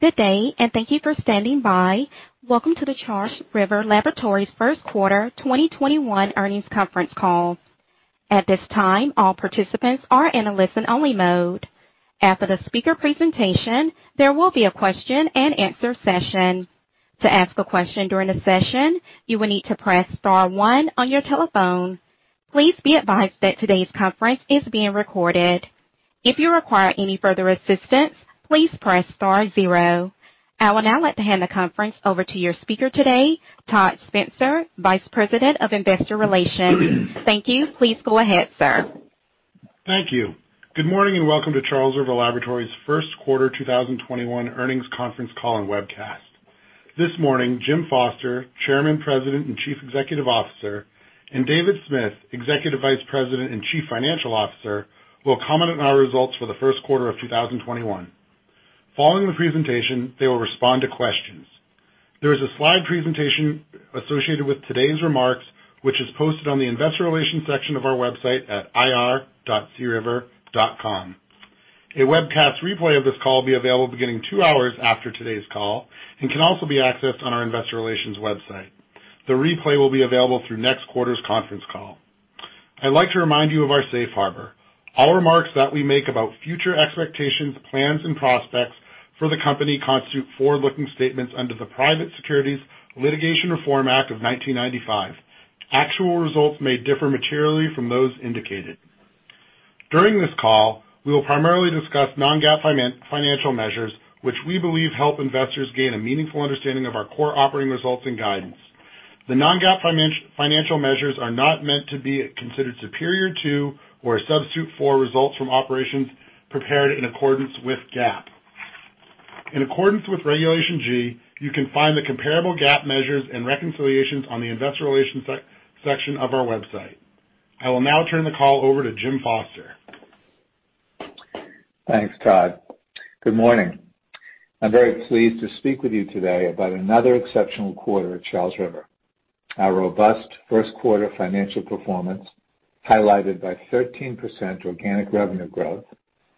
Good day. Thank you for standing by. Welcome to the Charles River Laboratories First Quarter 2021 Earnings Conference Call. At this time, all participants are in a listen-only mode. After the speaker presentation, there will be a question and answer session. To ask a question during the session, you will need to press star one on your telephone. Please be advised that today's conference is being recorded. If you require any further assistance, please press star zero. I will now like to hand the conference over to your speaker today, Todd Spencer, Vice President of Investor Relations. Thank you. Please go ahead, sir. Thank you. Good morning and welcome to Charles River Laboratories First Quarter 2021 Earnings Conference Call and Webcast. This morning, Jim Foster, Chairman, President, and Chief Executive Officer, and David Smith, Executive Vice President and Chief Financial Officer, will comment on our results for the first quarter of 2021. Following the presentation, they will respond to questions. There is a slide presentation associated with today's remarks, which is posted on the investor relations section of our website at ir.criver.com. A webcast replay of this call will be available beginning two hours after today's call and can also be accessed on our investor relations website. The replay will be available through next quarter's conference call. I'd like to remind you of our safe harbor. All remarks that we make about future expectations, plans, and prospects for the company constitute forward-looking statements under the Private Securities Litigation Reform Act of 1995. Actual results may differ materially from those indicated. During this call, we will primarily discuss non-GAAP financial measures, which we believe help investors gain a meaningful understanding of our core operating results and guidance. The non-GAAP financial measures are not meant to be considered superior to or a substitute for results from operations prepared in accordance with GAAP. In accordance with Regulation G, you can find the comparable GAAP measures and reconciliations on the investor relations section of our website. I will now turn the call over to Jim Foster. Thanks, Todd. Good morning. I am very pleased to speak with you today about another exceptional quarter at Charles River. Our robust first quarter financial performance, highlighted by 13% organic revenue growth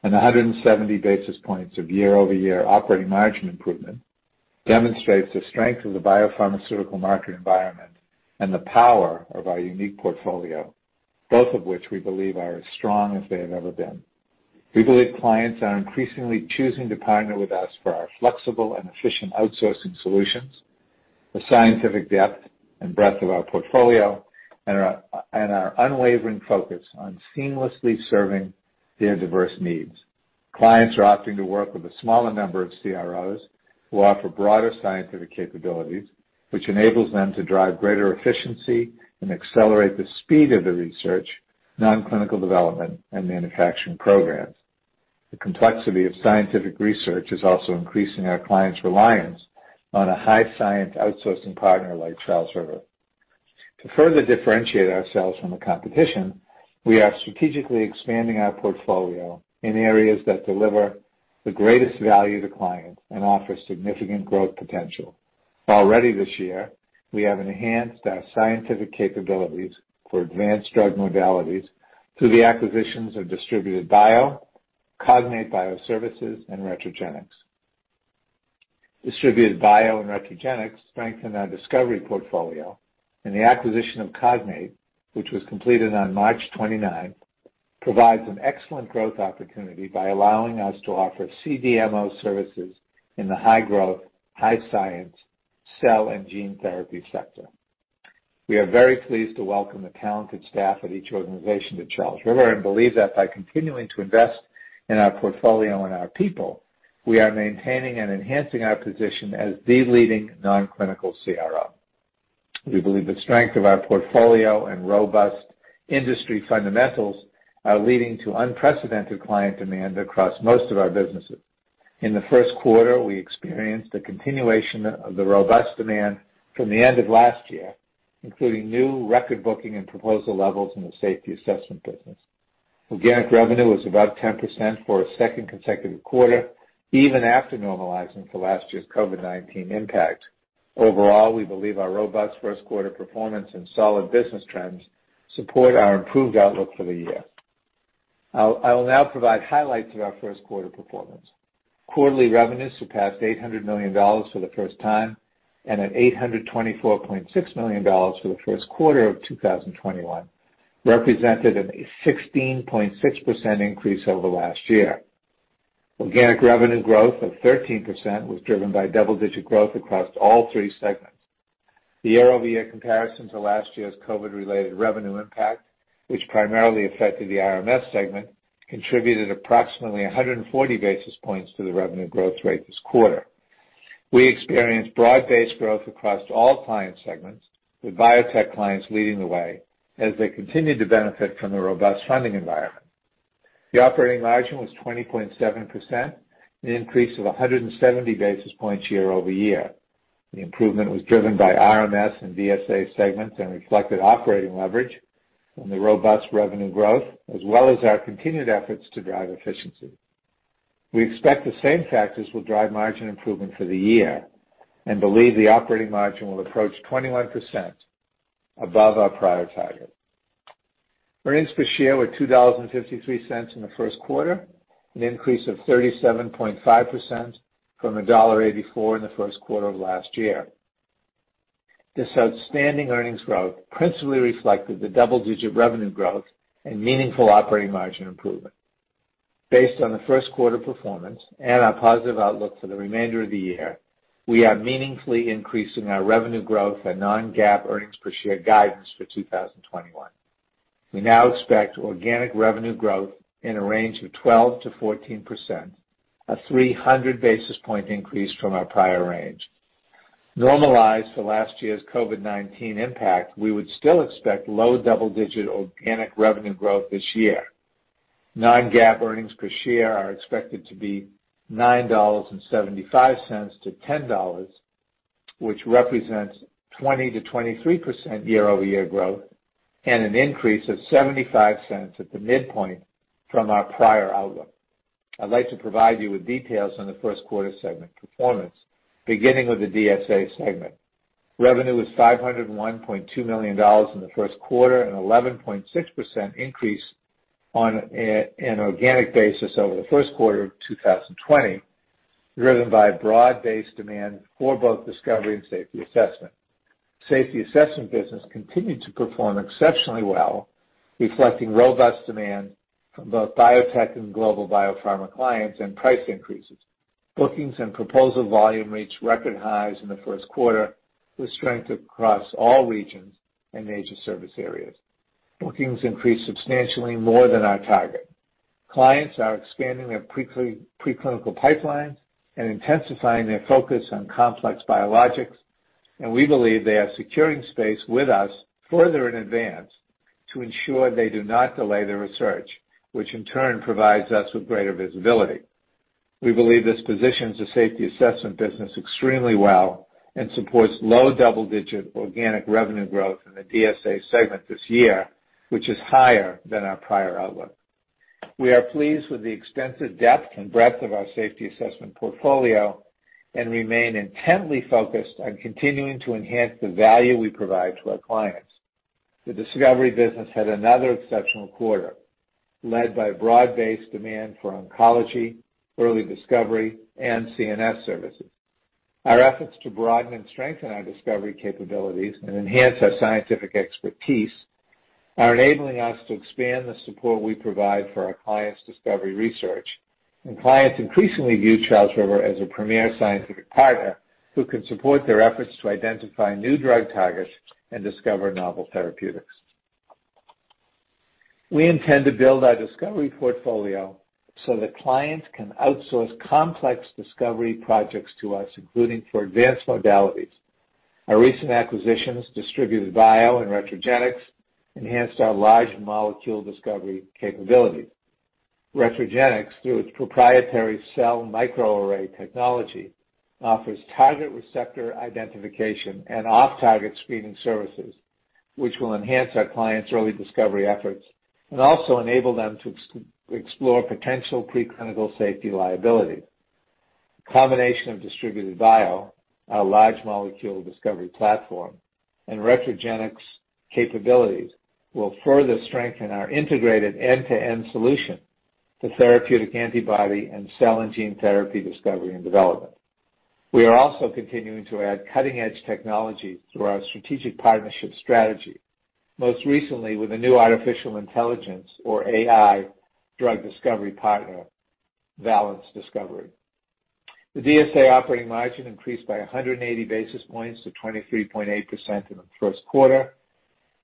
and 170 basis points of year-over-year operating margin improvement, demonstrates the strength of the biopharmaceutical market environment and the power of our unique portfolio, both of which we believe are as strong as they have ever been. We believe clients are increasingly choosing to partner with us for our flexible and efficient outsourcing solutions, the scientific depth and breadth of our portfolio, and our unwavering focus on seamlessly serving their diverse needs. Clients are opting to work with a smaller number of CROs who offer broader scientific capabilities, which enables them to drive greater efficiency and accelerate the speed of the research, non-clinical development, and manufacturing programs. The complexity of scientific research is also increasing our clients' reliance on a high science outsourcing partner like Charles River. To further differentiate ourselves from the competition, we are strategically expanding our portfolio in areas that deliver the greatest value to clients and offer significant growth potential. Already this year, we have enhanced our scientific capabilities for advanced drug modalities through the acquisitions of Distributed Bio, Cognate BioServices, and Retrogenix. Distributed Bio and Retrogenix strengthen our discovery portfolio, and the acquisition of Cognate, which was completed on March 29, provides an excellent growth opportunity by allowing us to offer CDMO services in the high growth, high science cell and gene therapy sector. We are very pleased to welcome the talented staff of each organization to Charles River and believe that by continuing to invest in our portfolio and our people, we are maintaining and enhancing our position as the leading non-clinical CRO. We believe the strength of our portfolio and robust industry fundamentals are leading to unprecedented client demand across most of our businesses. In the first quarter, we experienced a continuation of the robust demand from the end of last year, including new record booking and proposal levels in the Safety Assessment business. Organic revenue was about 10% for a second consecutive quarter, even after normalizing for last year's COVID-19 impact. Overall, we believe our robust first quarter performance and solid business trends support our improved outlook for the year. I will now provide highlights of our first quarter performance. Quarterly revenues surpassed $800 million for the first time, and at $824.6 million for the first quarter of 2021, represented a 16.6% increase over last year. Organic revenue growth of 13% was driven by double-digit growth across all three segments. The year-over-year comparison to last year's COVID-related revenue impact, which primarily affected the RMS segment, contributed approximately 140 basis points to the revenue growth rate this quarter. We experienced broad-based growth across all client segments, with biotech clients leading the way as they continued to benefit from the robust funding environment. The operating margin was 20.7%, an increase of 170 basis points year-over-year. The improvement was driven by RMS and DSA segments and reflected operating leverage on the robust revenue growth, as well as our continued efforts to drive efficiency. We expect the same factors will drive margin improvement for the year and believe the operating margin will approach 21% above our prior target. Earnings per share were $2.53 in the first quarter, an increase of 37.5% from $1.84 in the first quarter of last year. This outstanding earnings growth principally reflected the double-digit revenue growth and meaningful operating margin improvement. Based on the first quarter performance and our positive outlook for the remainder of the year, we are meaningfully increasing our revenue growth and non-GAAP earnings per share guidance for 2021. We now expect organic revenue growth in a range of 12%-14%, a 300 basis points increase from our prior range. Normalized for last year's COVID-19 impact, we would still expect low double-digit organic revenue growth this year. Non-GAAP earnings per share are expected to be $9.75-$10, which represents 20%-23% year-over-year growth and an increase of $0.75 at the midpoint from our prior outlook. I'd like to provide you with details on the first quarter segment performance, beginning with the DSA segment. Revenue was $501.2 million in the first quarter, an 11.6% increase on an organic basis over the first quarter of 2020, driven by broad-based demand for both Discovery and Safety Assessment. Safety Assessment business continued to perform exceptionally well, reflecting robust demand from both biotech and global biopharma clients and price increases. Bookings and proposal volume reached record highs in the first quarter, with strength across all regions and major service areas. Bookings increased substantially more than our target. Clients are expanding their preclinical pipelines and intensifying their focus on complex biologics, and we believe they are securing space with us further in advance to ensure they do not delay their research, which in turn provides us with greater visibility. We believe this positions the Safety Assessment business extremely well and supports low double-digit organic revenue growth in the DSA segment this year, which is higher than our prior outlook. We are pleased with the extensive depth and breadth of our Safety Assessment portfolio and remain intently focused on continuing to enhance the value we provide to our clients. The Discovery business had another exceptional quarter, led by broad-based demand for oncology, early discovery, and CNS services. Our efforts to broaden and strengthen our discovery capabilities and enhance our scientific expertise are enabling us to expand the support we provide for our clients' discovery research. Clients increasingly view Charles River as a premier scientific partner who can support their efforts to identify new drug targets and discover novel therapeutics. We intend to build our discovery portfolio so that clients can outsource complex discovery projects to us, including for advanced modalities. Our recent acquisitions, Distributed Bio and Retrogenix, enhanced our large molecule discovery capabilities. Retrogenix, through its proprietary cell microarray technology, offers target receptor identification and off-target screening services, which will enhance our clients' early discovery efforts and also enable them to explore potential preclinical safety liability. The combination of Distributed Bio, our large molecule discovery platform, and Retrogenix capabilities will further strengthen our integrated end-to-end solution to therapeutic antibody and cell and gene therapy discovery and development. We are also continuing to add cutting-edge technology through our strategic partnership strategy, most recently with a new artificial intelligence, or AI, drug discovery partner, Valence Discovery. The DSA operating margin increased by 180 basis points to 23.8% in the first quarter.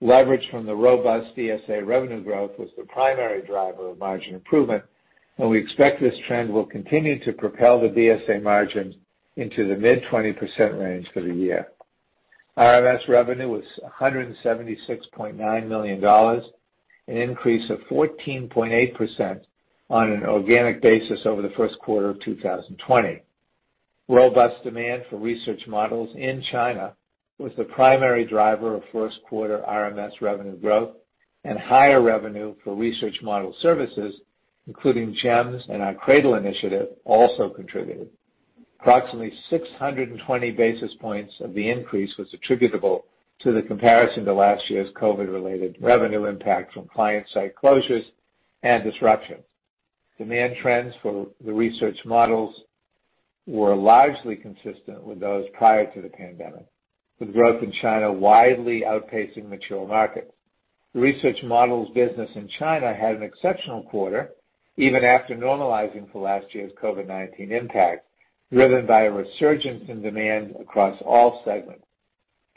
Leverage from the robust DSA revenue growth was the primary driver of margin improvement. We expect this trend will continue to propel the DSA margin into the mid-20% range for the year. RMS revenue was $176.9 million, an increase of 14.8% on an organic basis over the first quarter of 2020. Robust demand for research models in China was the primary driver of first quarter RMS revenue growth and higher revenue for research model services, including GEMS and our CRADL initiative, also contributed. Approximately 620 basis points of the increase was attributable to the comparison to last year's COVID-related revenue impact from client site closures and disruption. Demand trends for the research models were largely consistent with those prior to the pandemic, with growth in China widely outpacing mature markets. The research models business in China had an exceptional quarter, even after normalizing for last year's COVID-19 impact, driven by a resurgence in demand across all segments.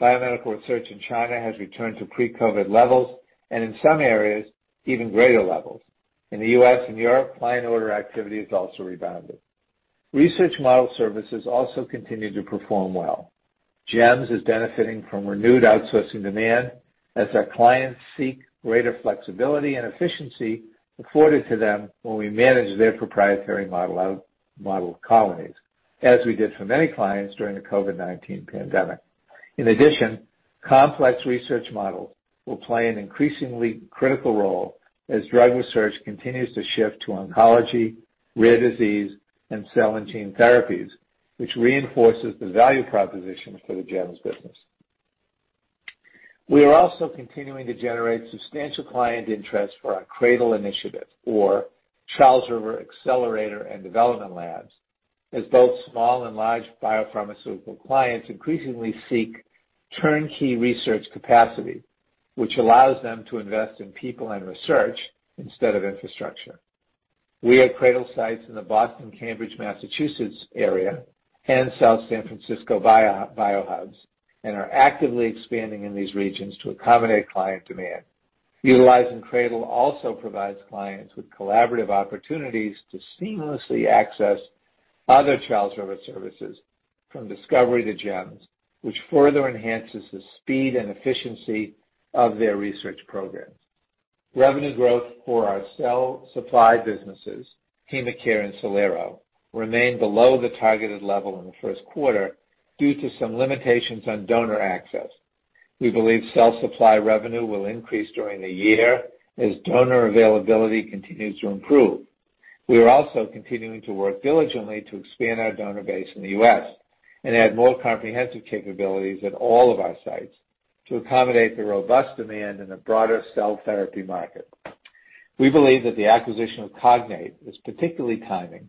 Biomedical research in China has returned to pre-COVID levels, and in some areas, even greater levels. In the U.S. and Europe, client order activity has also rebounded. Research model services also continued to perform well. GEMS is benefiting from renewed outsourcing demand as our clients seek greater flexibility and efficiency afforded to them when we manage their proprietary model colonies, as we did for many clients during the COVID-19 pandemic. In addition, complex research models will play an increasingly critical role as drug research continues to shift to oncology, rare disease, and cell and gene therapies, which reinforces the value proposition for the GEMS business. We are also continuing to generate substantial client interest for our CRADL initiative or Charles River Accelerator and Development Labs, as both small and large biopharmaceutical clients increasingly seek turnkey research capacity, which allows them to invest in people and research instead of infrastructure. We have CRADL sites in the Boston, Cambridge, Massachusetts area and South San Francisco BioHubs and are actively expanding in these regions to accommodate client demand. Utilizing CRADL also provides clients with collaborative opportunities to seamlessly access other Charles River services from discovery to GEMS, which further enhances the speed and efficiency of their research programs. Revenue growth for our cell supply businesses, HemaCare and Cellero, remained below the targeted level in the first quarter due to some limitations on donor access. We believe cell supply revenue will increase during the year as donor availability continues to improve. We are also continuing to work diligently to expand our donor base in the U.S. and add more comprehensive capabilities at all of our sites to accommodate the robust demand and the broader cell therapy market. We believe that the acquisition of Cognate is particularly timely,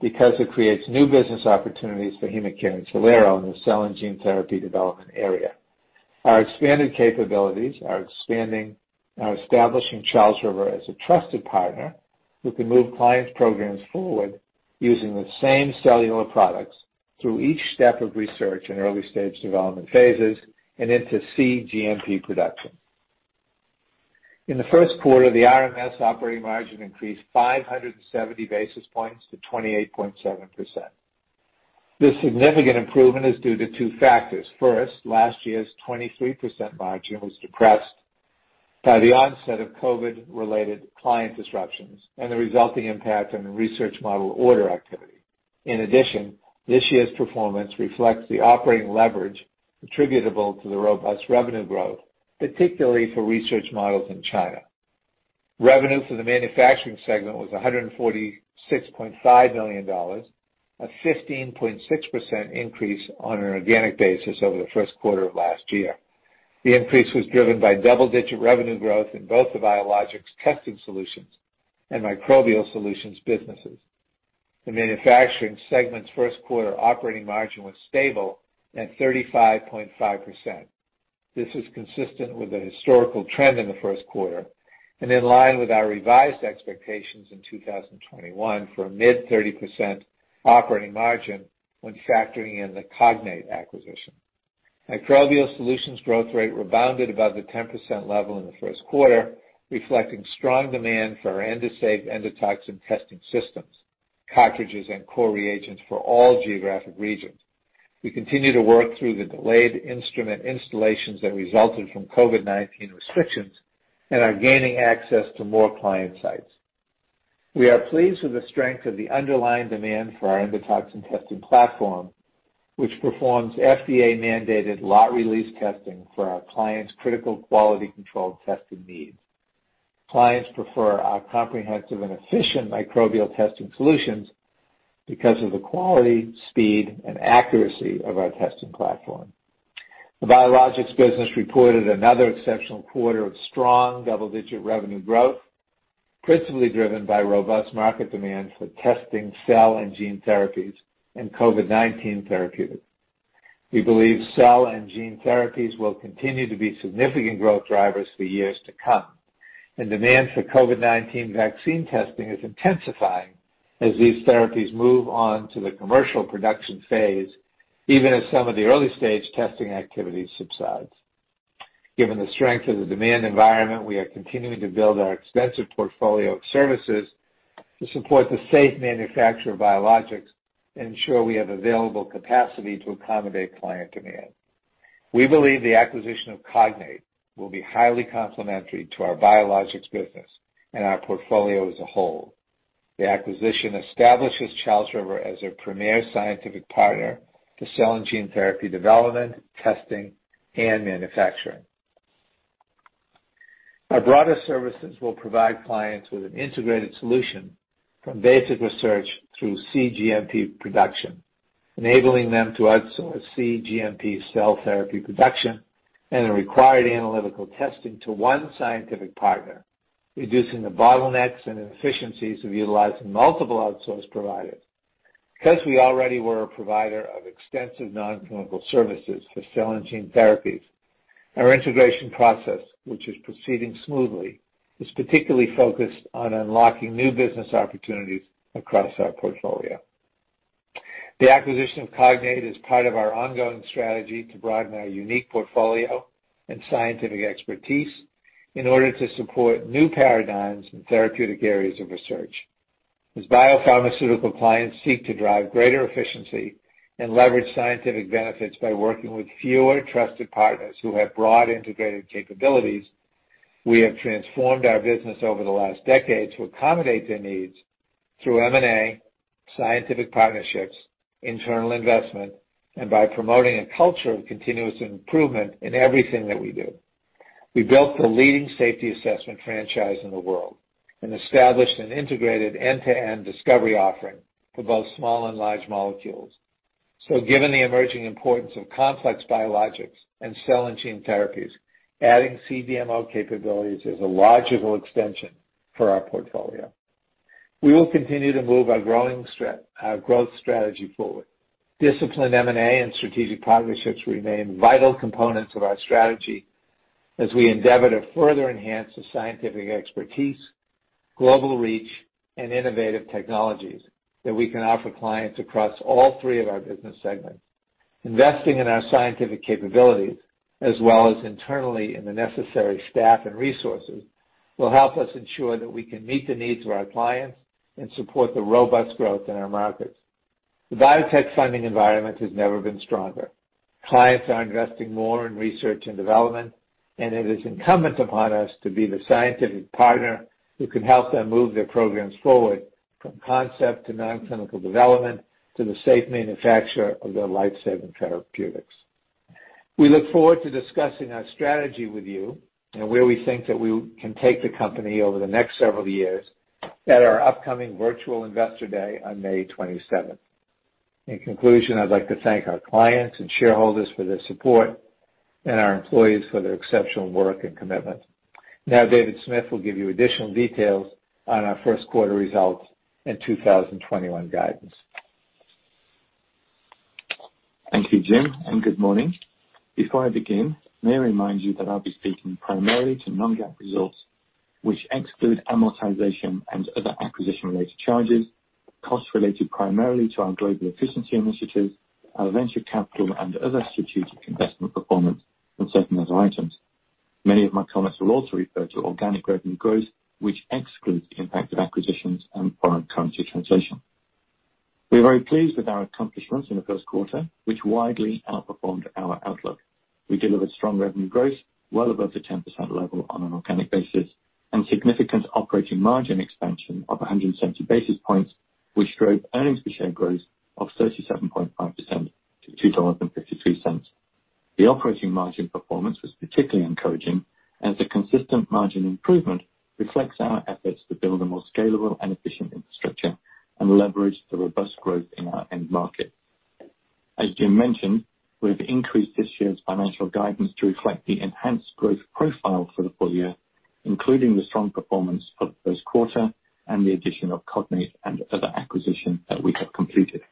because it creates new business opportunities for HemaCare and Cellero in the cell and gene therapy development area. Our expanding capabilities are establishing Charles River as a trusted partner who can move clients' programs forward using the same cellular products through each step of research and early-stage development phases and into cGMP production. In the first quarter, the RMS operating margin increased 570 basis points to 28.7%. This significant improvement is due to two factors. First, last year's 23% margin was depressed by the onset of COVID-related client disruptions and the resulting impact on the research model order activity. In addition, this year's performance reflects the operating leverage attributable to the robust revenue growth, particularly for research models in China. Revenue for the manufacturing segment was $146.5 million, a 15.6% increase on an organic basis over the first quarter of last year. The increase was driven by double-digit revenue growth in both the Biologics testing solutions and Microbial Solutions businesses. The manufacturing segment's first quarter operating margin was stable at 35.5%. This is consistent with the historical trend in the first quarter and in line with our revised expectations in 2021 for a mid-30% operating margin when factoring in the Cognate acquisition. Microbial Solutions growth rate rebounded above the 10% level in the first quarter, reflecting strong demand for our Endosafe endotoxin testing systems, cartridges, and core reagents for all geographic regions. We continue to work through the delayed instrument installations that resulted from COVID-19 restrictions and are gaining access to more client sites. We are pleased with the strength of the underlying demand for our endotoxin testing platform, which performs FDA-mandated lot release testing for our clients' critical quality control testing needs. Clients prefer our comprehensive and efficient microbial testing solutions because of the quality, speed, and accuracy of our testing platform. The Biologics business reported another exceptional quarter of strong double-digit revenue growth, principally driven by robust market demand for testing cell and gene therapies and COVID-19 therapeutics. We believe cell and gene therapies will continue to be significant growth drivers for years to come, and demand for COVID-19 vaccine testing is intensifying as these therapies move on to the commercial production phase, even as some of the early-stage testing activity subsides. Given the strength of the demand environment, we are continuing to build our extensive portfolio of services to support the safe manufacture of biologics and ensure we have available capacity to accommodate client demand. We believe the acquisition of Cognate will be highly complementary to our Biologics business and our portfolio as a whole. The acquisition establishes Charles River as a premier scientific partner for cell and gene therapy development, testing, and manufacturing. Our broader services will provide clients with an integrated solution from basic research through cGMP production, enabling them to outsource cGMP cell therapy production and the required analytical testing to one scientific partner, reducing the bottlenecks and inefficiencies of utilizing multiple outsource providers. Because we already were a provider of extensive non-clinical services for cell and gene therapies, our integration process, which is proceeding smoothly, is particularly focused on unlocking new business opportunities across our portfolio. The acquisition of Cognate is part of our ongoing strategy to broaden our unique portfolio and scientific expertise in order to support new paradigms in therapeutic areas of research. As biopharmaceutical clients seek to drive greater efficiency and leverage scientific benefits by working with fewer trusted partners who have broad integrated capabilities, we have transformed our business over the last decade to accommodate their needs. Through M&A, scientific partnerships, internal investment, and by promoting a culture of continuous improvement in everything that we do. We built the leading safety assessment franchise in the world and established an integrated end-to-end discovery offering for both small and large molecules. Given the emerging importance of complex biologics and cell and gene therapies, adding CDMO capabilities is a logical extension for our portfolio. We will continue to move our growth strategy forward. Disciplined M&A and strategic partnerships remain vital components of our strategy as we endeavor to further enhance the scientific expertise, global reach, and innovative technologies that we can offer clients across all three of our business segments. Investing in our scientific capabilities, as well as internally in the necessary staff and resources, will help us ensure that we can meet the needs of our clients and support the robust growth in our markets. The biotech funding environment has never been stronger. Clients are investing more in research and development, and it is incumbent upon us to be the scientific partner who can help them move their programs forward, from concept to non-clinical development, to the safe manufacture of their life-saving therapeutics. We look forward to discussing our strategy with you and where we think that we can take the company over the next several years at our upcoming virtual Investor Day on May 27th. In conclusion, I'd like to thank our clients and shareholders for their support and our employees for their exceptional work and commitment. Now, David Smith will give you additional details on our first quarter results and 2021 guidance. Thank you, Jim. Good morning. Before I begin, may I remind you that I'll be speaking primarily to non-GAAP results, which exclude amortization and other acquisition-related charges, costs related primarily to our global efficiency initiatives, our venture capital, and other strategic investment performance from certain other items. Many of my comments will also refer to organic revenue growth, which excludes the impact of acquisitions and foreign currency translation. We are very pleased with our accomplishments in the first quarter, which widely outperformed our outlook. We delivered strong revenue growth well above the 10% level on an organic basis and significant operating margin expansion of 170 basis points, which drove earnings per share growth of 37.5% to $2.53. The operating margin performance was particularly encouraging, as the consistent margin improvement reflects our efforts to build a more scalable and efficient infrastructure and leverage the robust growth in our end market. As Jim mentioned, we've increased this year's financial guidance to reflect the enhanced growth profile for the full year, including the strong performance of the first quarter and the addition of Cognate and other acquisitions that we have completed.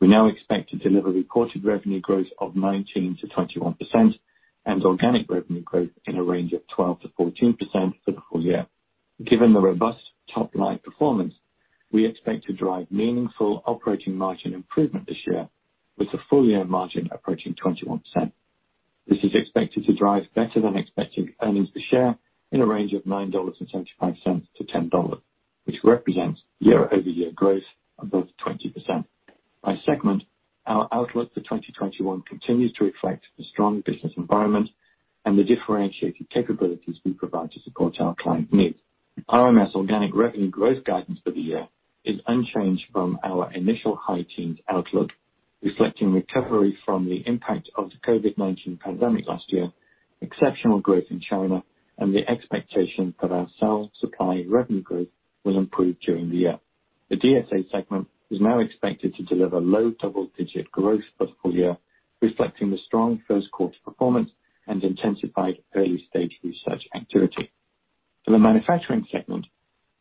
We now expect to deliver reported revenue growth of 19%-21% and organic revenue growth in a range of 12%-14% for the full year. Given the robust top-line performance, we expect to drive meaningful operating margin improvement this year with the full year margin approaching 21%. This is expected to drive better than expected earnings per share in a range of $9.75-$10, which represents year-over-year growth above 20%. By segment, our outlook for 2021 continues to reflect the strong business environment and the differentiated capabilities we provide to support our client needs. RMS organic revenue growth guidance for the year is unchanged from our initial high teens outlook, reflecting recovery from the impact of the COVID-19 pandemic last year, exceptional growth in China, and the expectation that our cell supply revenue growth will improve during the year. The DSA segment is now expected to deliver low double-digit growth for the full year, reflecting the strong first quarter performance and intensified early-stage research activity. For the manufacturing segment,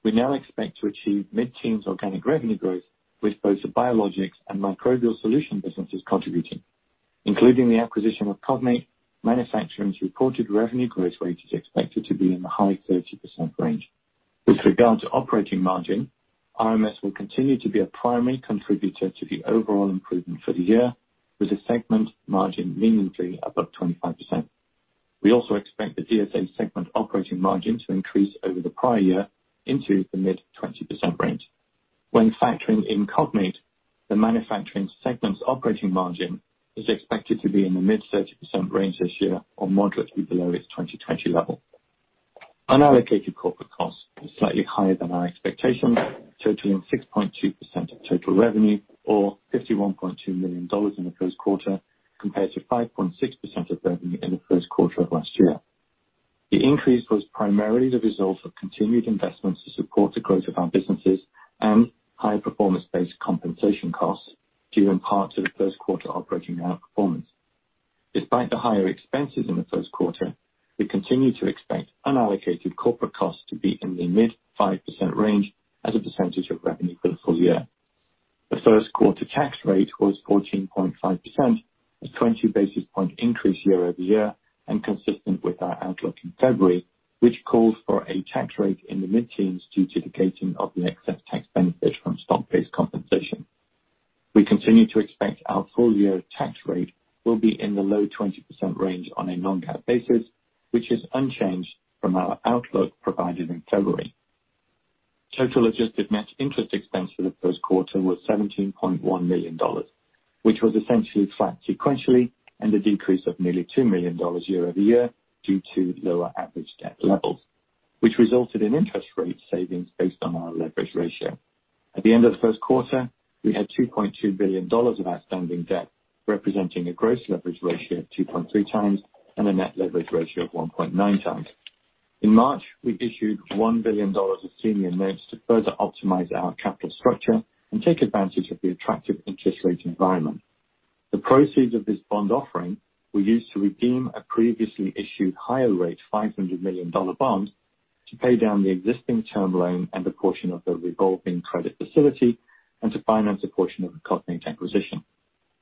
we now expect to achieve mid-teens organic revenue growth with both the biologics and Microbial Solutions businesses contributing. Including the acquisition of Cognate, manufacturing's reported revenue growth rate is expected to be in the high 30% range. With regard to operating margin, RMS will continue to be a primary contributor to the overall improvement for the year, with the segment margin meaningfully above 25%. We also expect the DSA segment operating margin to increase over the prior year into the mid-20% range. When factoring in Cognate, the manufacturing segment's operating margin is expected to be in the mid-30% range this year or moderately below its 2020 level. Unallocated corporate costs were slightly higher than our expectations, totaling 6.2% of total revenue or $51.2 million in the first quarter, compared to 5.6% of revenue in the first quarter of last year. The increase was primarily the result of continued investments to support the growth of our businesses and high-performance based compensation costs due in part to the first quarter operating outperformance. Despite the higher expenses in the first quarter, we continue to expect unallocated corporate costs to be in the mid-5% range as a percentage of revenue for the full year. The first quarter tax rate was 14.5%, a 20-basis point increase year-over-year and consistent with our outlook in February, which calls for a tax rate in the mid-teens due to the gating of the excess tax benefit from stock-based compensation. We continue to expect our full-year tax rate will be in the low 20% range on a non-GAAP basis, which is unchanged from our outlook provided in February. Total adjusted net interest expense for the first quarter was $17.1 million. It was essentially flat sequentially and a decrease of nearly $2 million year-over-year due to lower average debt levels. This resulted in interest rate savings based on our leverage ratio. At the end of the first quarter, we had $2.2 billion of outstanding debt, representing a gross leverage ratio of 2.3x and a net leverage ratio of 1.9x. In March, we issued $1 billion of senior notes to further optimize our capital structure and take advantage of the attractive interest rate environment. The proceeds of this bond offering were used to redeem a previously issued higher rate, $500 million bond to pay down the existing term loan and a portion of the revolving credit facility, and to finance a portion of the Cognate acquisition.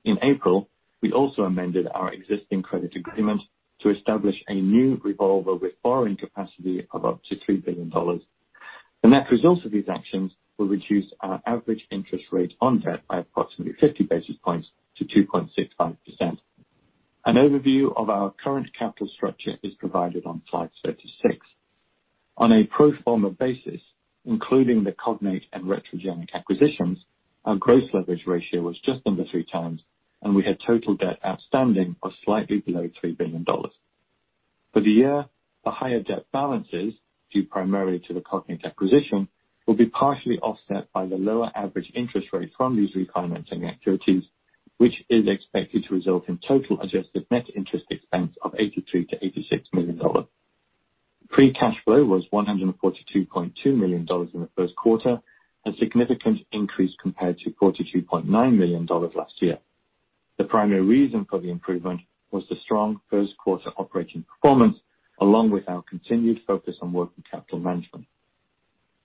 In April, we also amended our existing credit agreement to establish a new revolver with borrowing capacity of up to $3 billion. The net result of these actions will reduce our average interest rate on debt by approximately 50 basis points to 2.65%. An overview of our current capital structure is provided on slide 36. On a pro forma basis, including the Cognate and Retrogenix acquisitions, our gross leverage ratio was just under 3x, and we had total debt outstanding of slightly below $3 billion. For the year, the higher debt balances, due primarily to the Cognate acquisition, will be partially offset by the lower average interest rate from these refinancing activities, which is expected to result in total adjusted net interest expense of $83 million-$86 million. Free cash flow was $142.2 million in the first quarter, a significant increase compared to $42.9 million last year. The primary reason for the improvement was the strong first quarter operating performance, along with our continued focus on working capital management.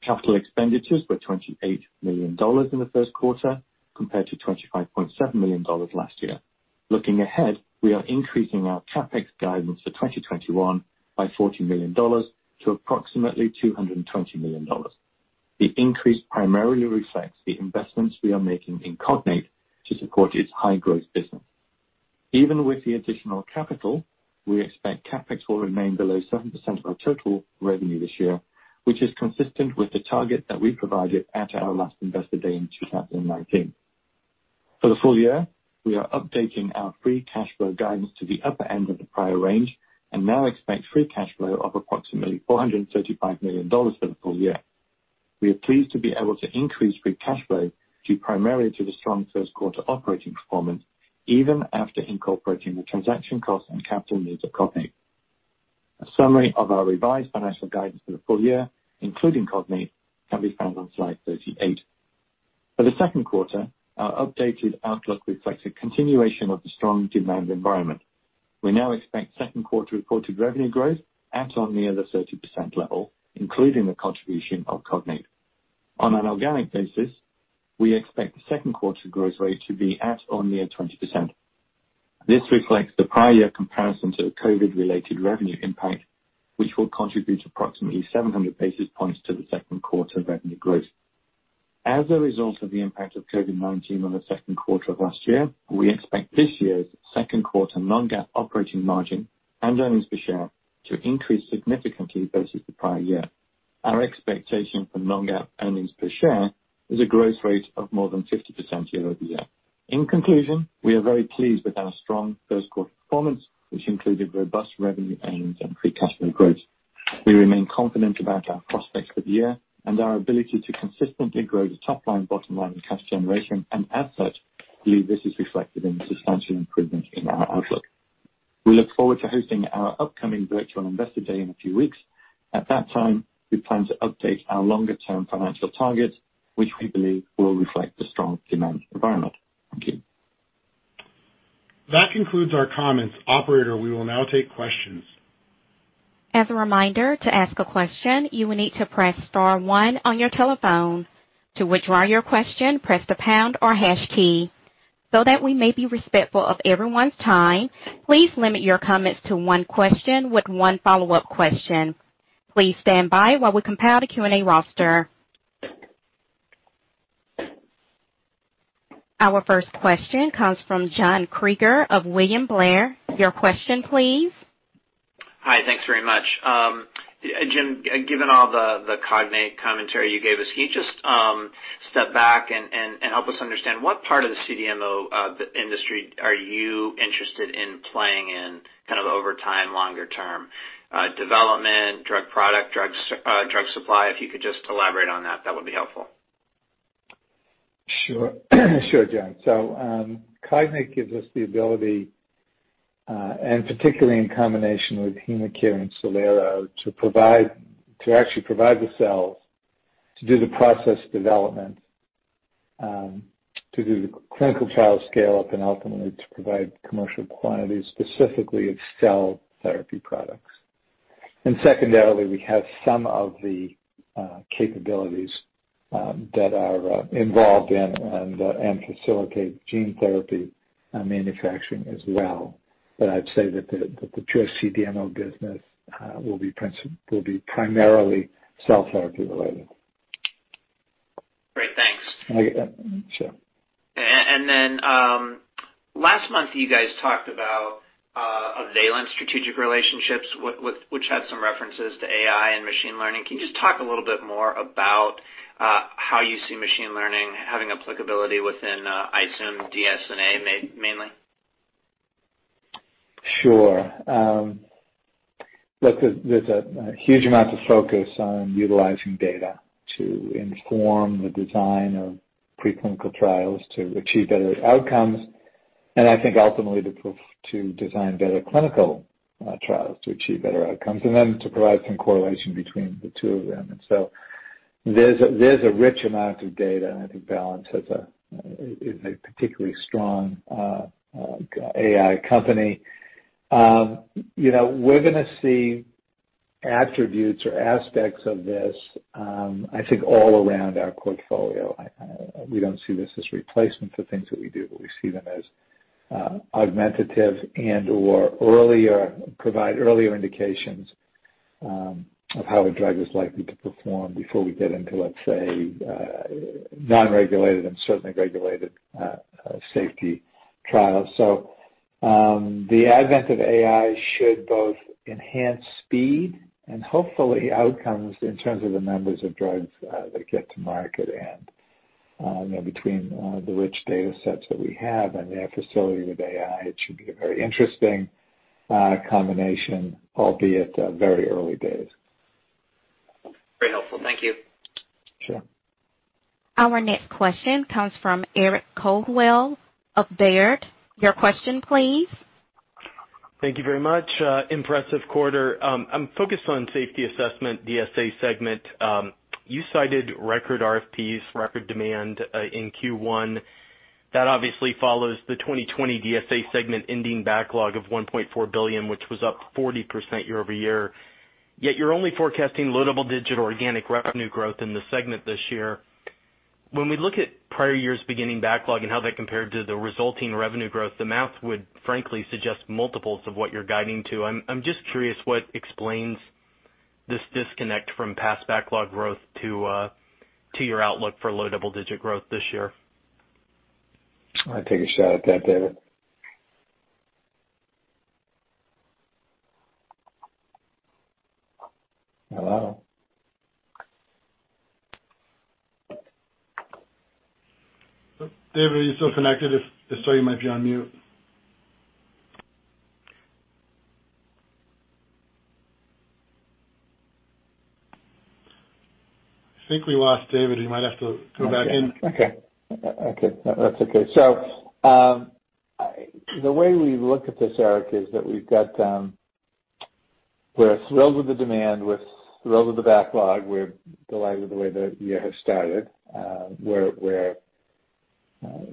Capital expenditures were $28 million in the first quarter, compared to $25.7 million last year. Looking ahead, we are increasing our CapEx guidance for 2021 by $40 million to approximately $220 million. The increase primarily reflects the investments we are making in Cognate to support its high-growth business. Even with the additional capital, we expect CapEx will remain below 7% of our total revenue this year, which is consistent with the target that we provided at our last Investor Day in 2019. For the full year, we are updating our free cash flow guidance to the upper end of the prior range and now expect free cash flow of approximately $435 million for the full year. We are pleased to be able to increase free cash flow due primarily to the strong first quarter operating performance, even after incorporating the transaction costs and capital needs of Cognate. A summary of our revised financial guidance for the full year, including Cognate, can be found on slide 38. For the second quarter, our updated outlook reflects a continuation of the strong demand environment. We now expect second quarter reported revenue growth at or near the 30% level, including the contribution of Cognate. On an organic basis, we expect the second quarter growth rate to be at or near 20%. This reflects the prior year comparison to a COVID-related revenue impact, which will contribute approximately 700 basis points to the second quarter revenue growth. As a result of the impact of COVID-19 on the second quarter of last year, we expect this year's second quarter non-GAAP operating margin and earnings per share to increase significantly versus the prior year. Our expectation for non-GAAP earnings per share is a growth rate of more than 50% year-over-year. In conclusion, we are very pleased with our strong first quarter performance, which included robust revenue, earnings, and free cash flow growth. We remain confident about our prospects for the year and our ability to consistently grow the top line, bottom line, and cash generation. As such, believe this is reflected in the substantial improvement in our outlook. We look forward to hosting our upcoming virtual Investor Day in a few weeks. At that time, we plan to update our longer-term financial targets, which we believe will reflect the strong demand environment. Thank you. That concludes our comments. Operator, we will now take questions. As a reminder, to ask a question, you will need to press star one on your telephone. To withdraw your question, press the pound or hash key. That we may be respectful of everyone's time, please limit your comments to one question with one follow-up question. Please stand by while we compile the Q&A roster. Our first question comes from John Kreger of William Blair. Your question, please. Hi. Thanks very much. Jim, given all the Cognate commentary you gave us, can you just step back and help us understand what part of the CDMO industry are you interested in playing in kind of over time, longer-term? Development, drug product, drug supply. If you could just elaborate on that would be helpful. Sure. Sure, John. Cognate gives us the ability, and particularly in combination with HemaCare and Cellero, to actually provide the cells to do the process development, to do the clinical trial scale-up, and ultimately to provide commercial quantities, specifically of cell therapy products. Secondarily, we have some of the capabilities that are involved in and facilitate gene therapy manufacturing as well. I'd say that the pure CDMO business will be primarily cell therapy related. Great. Thanks. Sure. Last month, you guys talked about Valence strategic relationships, which had some references to AI and machine learning. Can you just talk a little bit more about how you see machine learning having applicability within, I assume, DSA mainly? Sure. Look, there's a huge amount of focus on utilizing data to inform the design of pre-clinical trials to achieve better outcomes, and I think ultimately to design better clinical trials to achieve better outcomes, and then to provide some correlation between the two of them. There's a rich amount of data, and I think Valence is a particularly strong AI company. We're going to see attributes or aspects of this, I think, all around our portfolio. We don't see this as replacement for things that we do, but we see them as augmentative and/or provide earlier indications of how a drug is likely to perform before we get into, let's say, non-regulated and certainly regulated safety trials. The advent of AI should both enhance speed and hopefully outcomes in terms of the numbers of drugs that get to market. Between the rich data sets that we have and their facility with AI, it should be a very interesting combination, albeit very early days. Very helpful. Thank you. Sure. Our next question comes from Eric Coldwell of Baird. Your question please. Thank you very much. Impressive quarter. I'm focused on Safety Assessment, DSA segment. You cited record RFPs, record demand in Q1. That obviously follows the 2020 DSA segment ending backlog of $1.4 billion, which was up 40% year-over-year. Yet you're only forecasting low double-digit organic revenue growth in the segment this year. When we look at prior years beginning backlog and how that compared to the resulting revenue growth, the math would frankly suggest multiples of what you're guiding to. I'm just curious what explains this disconnect from past backlog growth to your outlook for low double-digit growth this year. I'll take a shot at that, David. Hello? David, are you still connected? It's showing you might be on mute. I think we lost David. He might have to come back in. Okay. That's okay. The way we look at this, Eric, is that we're thrilled with the demand, we're thrilled with the backlog, we're delighted with the way the year has started. We're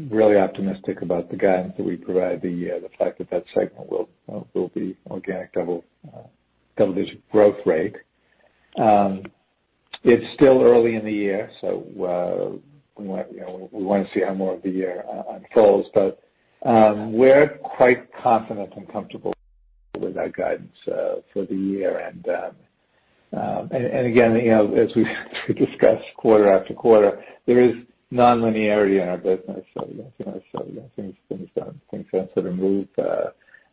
really optimistic about the guidance that we provide, the fact that that segment will be organic double-digit growth rate. It's still early in the year, so we want to see how more of the year unfolds. We're quite confident and comfortable with our guidance for the year. Again, as we discuss quarter-after-quarter, there is non-linearity in our business. You don't see things sort of move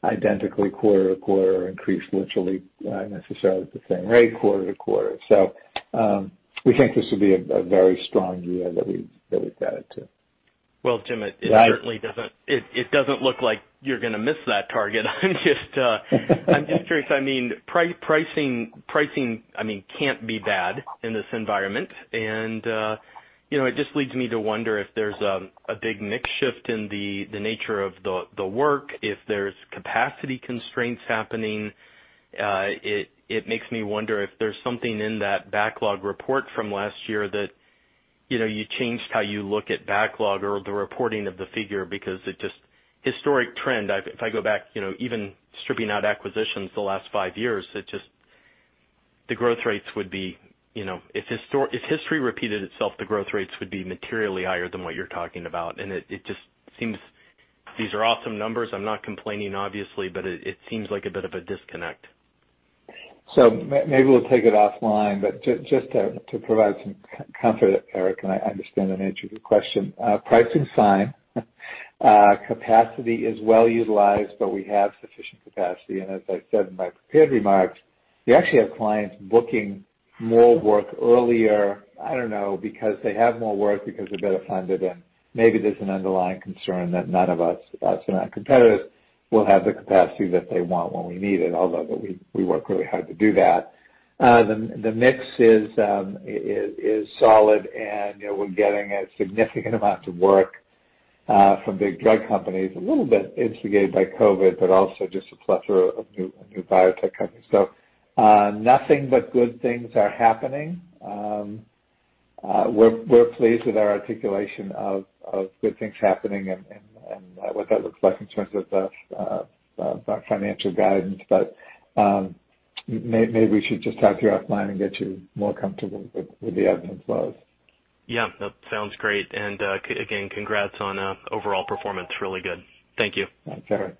identically quarter-to-quarter, or increase literally necessarily at the same rate quarter-to-quarter. We think this will be a very strong year that we've guided to. Well, Jim, it doesn't look like you're going to miss that target. I'm just curious, pricing can't be bad in this environment, and it just leads me to wonder if there's a big mix shift in the nature of the work, if there's capacity constraints happening. It makes me wonder if there's something in that backlog report from last year that you changed how you look at backlog or the reporting of the figure, because historic trend, if I go back, even stripping out acquisitions the last five years, if history repeated itself, the growth rates would be materially higher than what you're talking about, and it just seems these are awesome numbers. I'm not complaining, obviously, but it seems like a bit of a disconnect. Maybe we'll take it offline. Just to provide some comfort, Eric, and I understand and answer your question, pricing's fine. Capacity is well-utilized, but we have sufficient capacity, and as I said in my prepared remarks, we actually have clients booking more work earlier, I don't know, because they have more work, because they're better funded and maybe there's an underlying concern that none of us and our competitors, will have the capacity that they want when we need it, although we work really hard to do that. The mix is solid, and we're getting a significant amount of work from big drug companies, a little bit instigated by COVID, but also just a plethora of new biotech companies. Nothing but good things are happening. We're pleased with our articulation of good things happening and what that looks like in terms of our financial guidance. Maybe we should just talk to you offline and get you more comfortable with the evidence load. Yeah. That sounds great. Again, congrats on overall performance. Really good. Thank you. Thanks, Eric.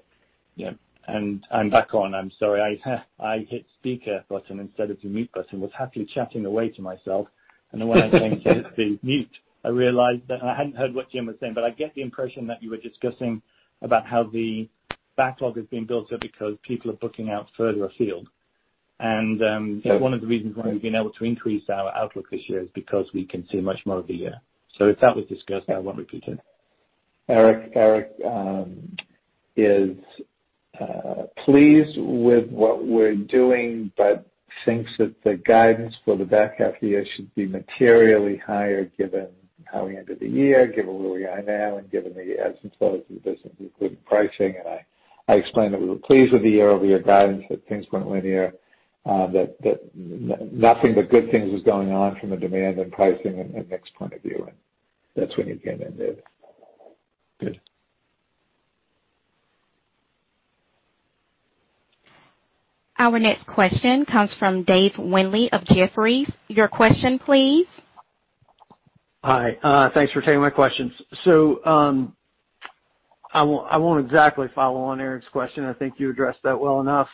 Yeah. I'm back on, I'm sorry. I hit speaker button instead of the mute button, was happily chatting away to myself. When I came to hit the mute, I realized that I hadn't heard what Jim was saying. I get the impression that you were discussing about how the backlog has been built up because people are booking out further afield. Yeah One of the reasons why we've been able to increase our outlook this year is because we can see much more of the year. If that was discussed, I won't repeat it. Eric is pleased with what we're doing, but thinks that the guidance for the back half year should be materially higher given how we ended the year, given where we are now, and given the ebbs and flows and business including pricing. I explained that we were pleased with the year-over-year guidance, that things went linear, that nothing but good things was going on from a demand and pricing and mix point of view. That's when you came in, Dave. Good. Our next question comes from Dave Windley of Jefferies. Your question please. Hi. Thanks for taking my questions. I won't exactly follow on Eric's question, I think you addressed that well enough.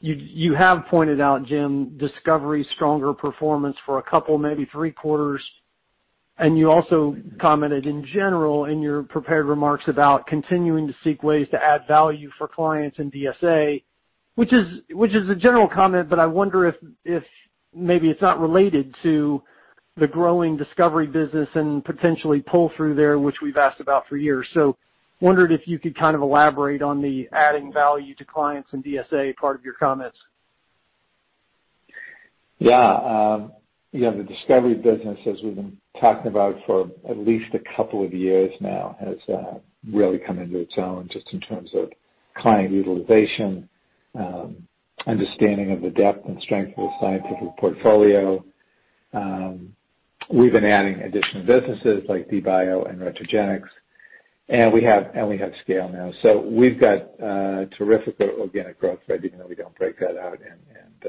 You have pointed out, Jim, Discovery stronger performance for a couple, maybe three quarters, and you also commented in general in your prepared remarks about continuing to seek ways to add value for clients in DSA, which is a general comment, but I wonder if maybe it's not related to the growing Discovery business and potentially pull through there, which we've asked about for years. I wondered if you could kind of elaborate on the adding value to clients and DSA part of your comments. Yeah. The discovery business, as we've been talking about for at least a couple of years now, has really come into its own just in terms of client utilization, understanding of the depth and strength of the scientific portfolio. We've been adding additional businesses like DBio and Retrogenix. We have scale now. We've got terrific organic growth rate, even though we don't break that out, and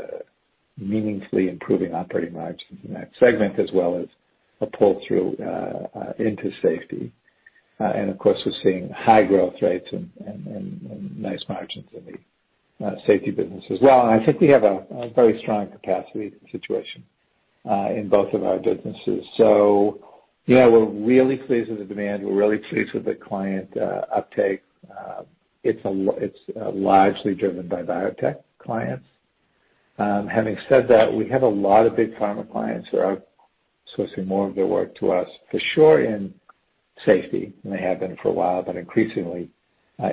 meaningfully improving operating margins in that segment as well as a pull-through into safety. Of course, we're seeing high growth rates and nice margins in the safety business as well. I think we have a very strong capacity situation in both of our businesses. Yeah, we're really pleased with the demand. We're really pleased with the client uptake. It's largely driven by biotech clients. Having said that, we have a lot of big pharma clients that are sourcing more of their work to us, for sure in safety, and they have been for a while, but increasingly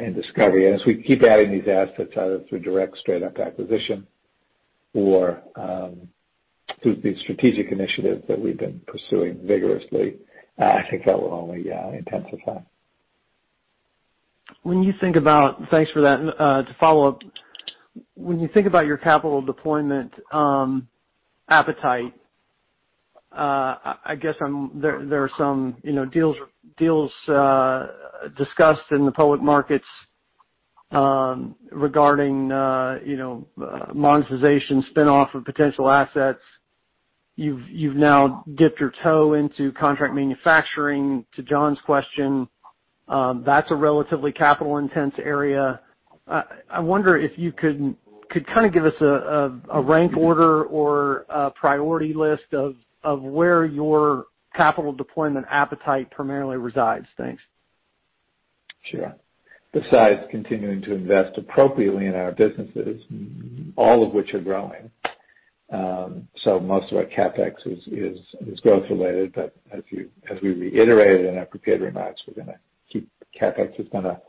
in discovery. As we keep adding these assets, either through direct straight up acquisition or through the strategic initiatives that we've been pursuing vigorously, I think that will only intensify. Thanks for that. To follow up, when you think about your capital deployment appetite, I guess there are some deals discussed in the public markets regarding monetization, spin-off of potential assets. You've now dipped your toe into contract manufacturing. To John's question, that's a relatively capital intense area. I wonder if you could give us a rank order or a priority list of where your capital deployment appetite primarily resides. Thanks. Sure. Besides continuing to invest appropriately in our businesses, all of which are growing. Most of our CapEx is growth related, but as we reiterated in our prepared remarks, we're going to keep CapEx, it's going to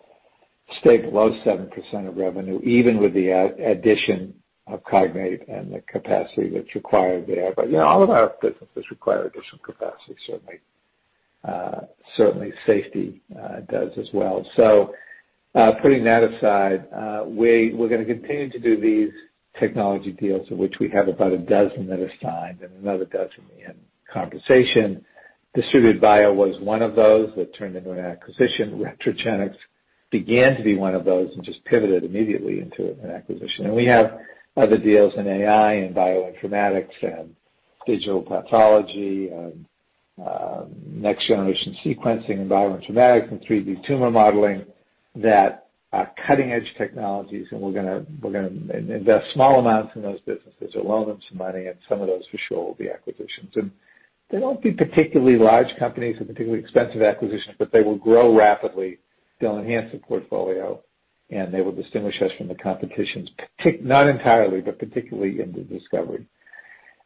stay below 7% of revenue, even with the addition of Cognate and the capacity that's required there. All of our businesses require additional capacity, certainly safety does as well. Putting that aside, we're going to continue to do these technology deals, of which we have about 12 that are signed and another 12 in conversation. Distributed Bio was one of those that turned into an acquisition. Retrogenix began to be one of those and just pivoted immediately into an acquisition. We have other deals in AI and bioinformatics and digital pathology, next generation sequencing and bioinformatics and 3D tumor modeling that are cutting edge technologies, and we're going to invest small amounts in those businesses or loan them some money, and some of those for sure will be acquisitions. They won't be particularly large companies or particularly expensive acquisitions, but they will grow rapidly. They'll enhance the portfolio, and they will distinguish us from the competitions, not entirely, but particularly in the discovery.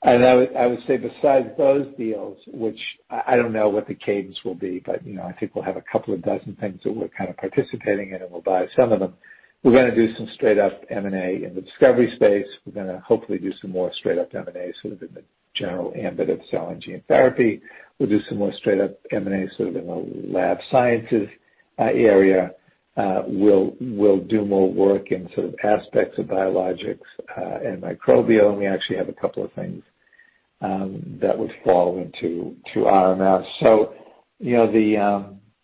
I would say besides those deals, which I don't know what the cadence will be, but I think we'll have a couple of dozen things that we're kind of participating in, and we'll buy some of them. We're going to do some straight up M&A in the discovery space. We're going to hopefully do some more straight up M&A sort of in the general ambit of cell and gene therapy. We'll do some more straight up M&A sort of in the lab sciences area. We'll do more work in sort of aspects of biologics and microbial, and we actually have a couple of things that would fall into RMS.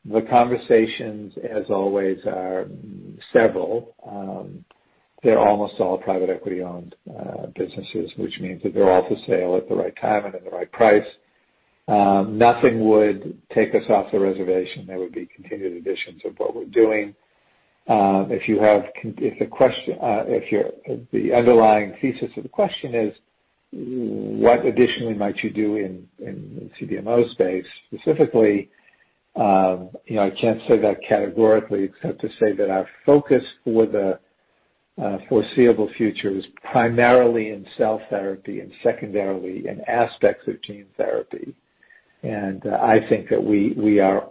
The conversations, as always, are several. They're almost all private equity-owned businesses, which means that they're all for sale at the right time and at the right price. Nothing would take us off the reservation. There would be continued additions of what we're doing. If the underlying thesis of the question is what additionally might you do in the CDMO space specifically, I can't say that categorically except to say that our focus for the foreseeable future is primarily in cell therapy and secondarily in aspects of gene therapy. I think that we are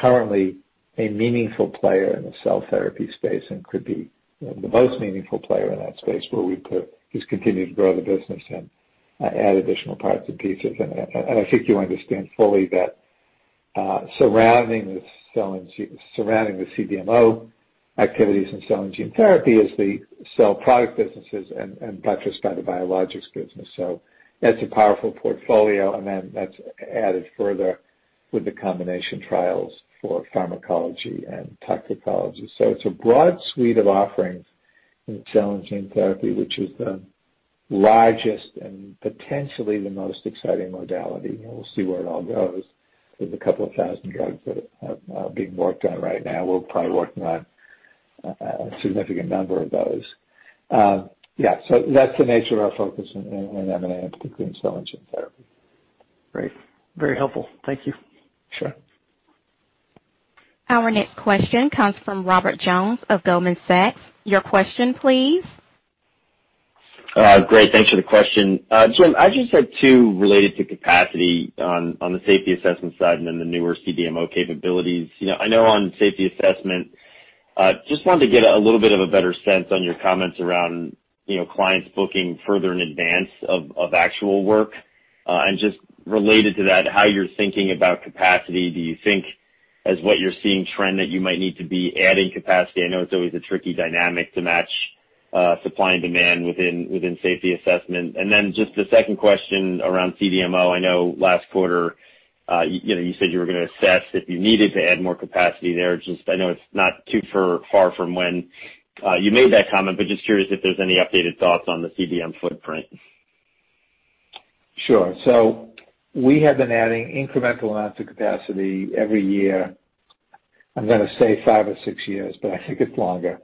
currently a meaningful player in the cell therapy space and could be the most meaningful player in that space, where we could just continue to grow the business and add additional parts and pieces. I think you understand fully that surrounding the CDMO activities in cell and gene therapy is the cell product businesses and buttressed by the biologics business. That's a powerful portfolio, and then that's added further with the combination trials for pharmacology and toxicology. It's a broad suite of offerings in cell and gene therapy, which is the largest and potentially the most exciting modality. We'll see where it all goes. There's a couple of 1,000 drugs that are being worked on right now. We're probably working on a significant number of those. Yeah. That's the nature of our focus in M&A, and particularly in cell and gene therapy. Great. Very helpful. Thank you. Sure. Our next question comes from Robert Jones of Goldman Sachs. Your question, please. Great. Thanks for the question. Jim, I just had two related to capacity on the safety assessment side and then the newer CDMO capabilities. I know on safety assessment, just wanted to get a little bit of a better sense on your comments around clients booking further in advance of actual work. Just related to that, how you're thinking about capacity. Do you think as what you're seeing trend that you might need to be adding capacity? I know it's always a tricky dynamic to match supply and demand within safety assessment. Just the second question around CDMO. I know last quarter, you said you were going to assess if you needed to add more capacity there. Just I know it's not too far from when you made that comment, but just curious if there's any updated thoughts on the CDMO footprint. Sure. We have been adding incremental amounts of capacity every year, I'm going to say five or six years, but I think it's longer,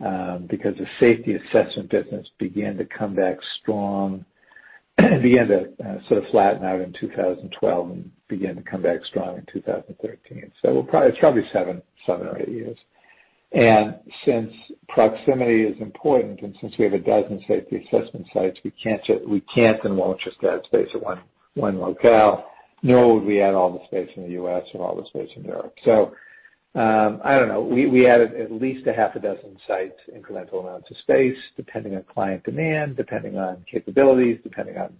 because the safety assessment business began to come back strong, began to sort of flatten out in 2012 and began to come back strong in 2013. It's probably seven or eight years. Since proximity is important and since we have a dozen safety assessment sites, we can't then launch a stat space at one locale, nor would we add all the space in the U.S. and all the space in Europe. I don't know. We added at least a half a dozen sites, incremental amounts of space, depending on client demand, depending on capabilities, depending on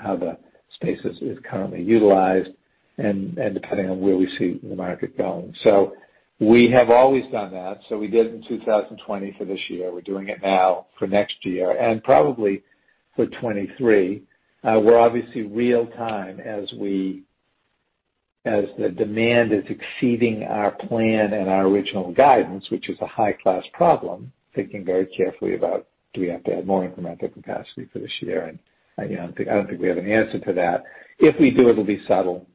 how the space is currently utilized, and depending on where we see the market going. We have always done that. We did it in 2020 for this year. We're doing it now for next year and probably for 2023. We're obviously real time as the demand is exceeding our plan and our original guidance, which is a high-class problem, thinking very carefully about do we have to add more incremental capacity for this year, and I don't think we have an answer to that. If we do, it'll be subtle.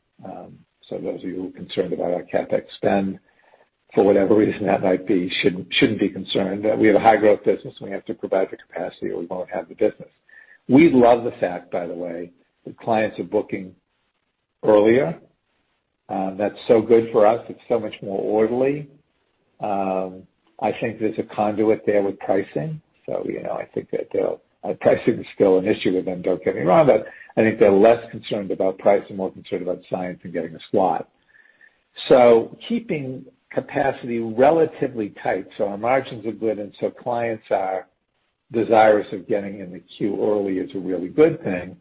Those of you who are concerned about our CapEx spend, for whatever reason that might be, shouldn't be concerned. We have a high-growth business, and we have to provide the capacity, or we won't have the business. We love the fact, by the way, that clients are booking earlier. That's so good for us. It's so much more orderly. I think there's a conduit there with pricing. I think that pricing is still an issue with them, don't get me wrong, but I think they're less concerned about price and more concerned about science and getting a slot. Keeping capacity relatively tight so our margins are good and so clients are desirous of getting in the queue early is a really good thing,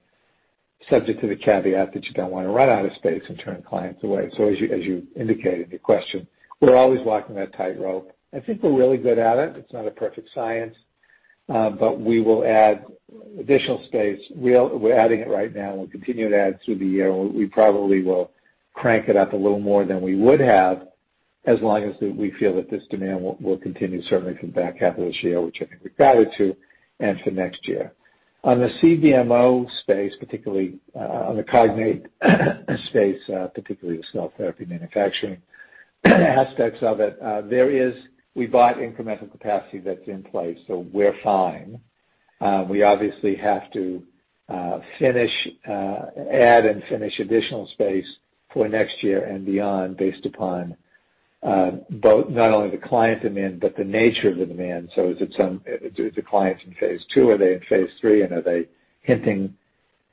subject to the caveat that you don't want to run out of space and turn clients away. As you indicated in your question, we're always walking that tightrope. I think we're really good at it. It's not a perfect science, but we will add additional space. We're adding it right now, and we'll continue to add through the year. We probably will crank it up a little more than we would have, as long as we feel that this demand will continue, certainly for the back half of this year, which I think we're guided to, and for next year. On the CDMO space, particularly on the Cognate space, particularly the cell therapy manufacturing aspects of it, we bought incremental capacity that's in place, so we're fine. We obviously have to add and finish additional space for next year and beyond based upon not only the client demand but the nature of the demand. Are the clients in phase II? Are they in phase III, and are they hinting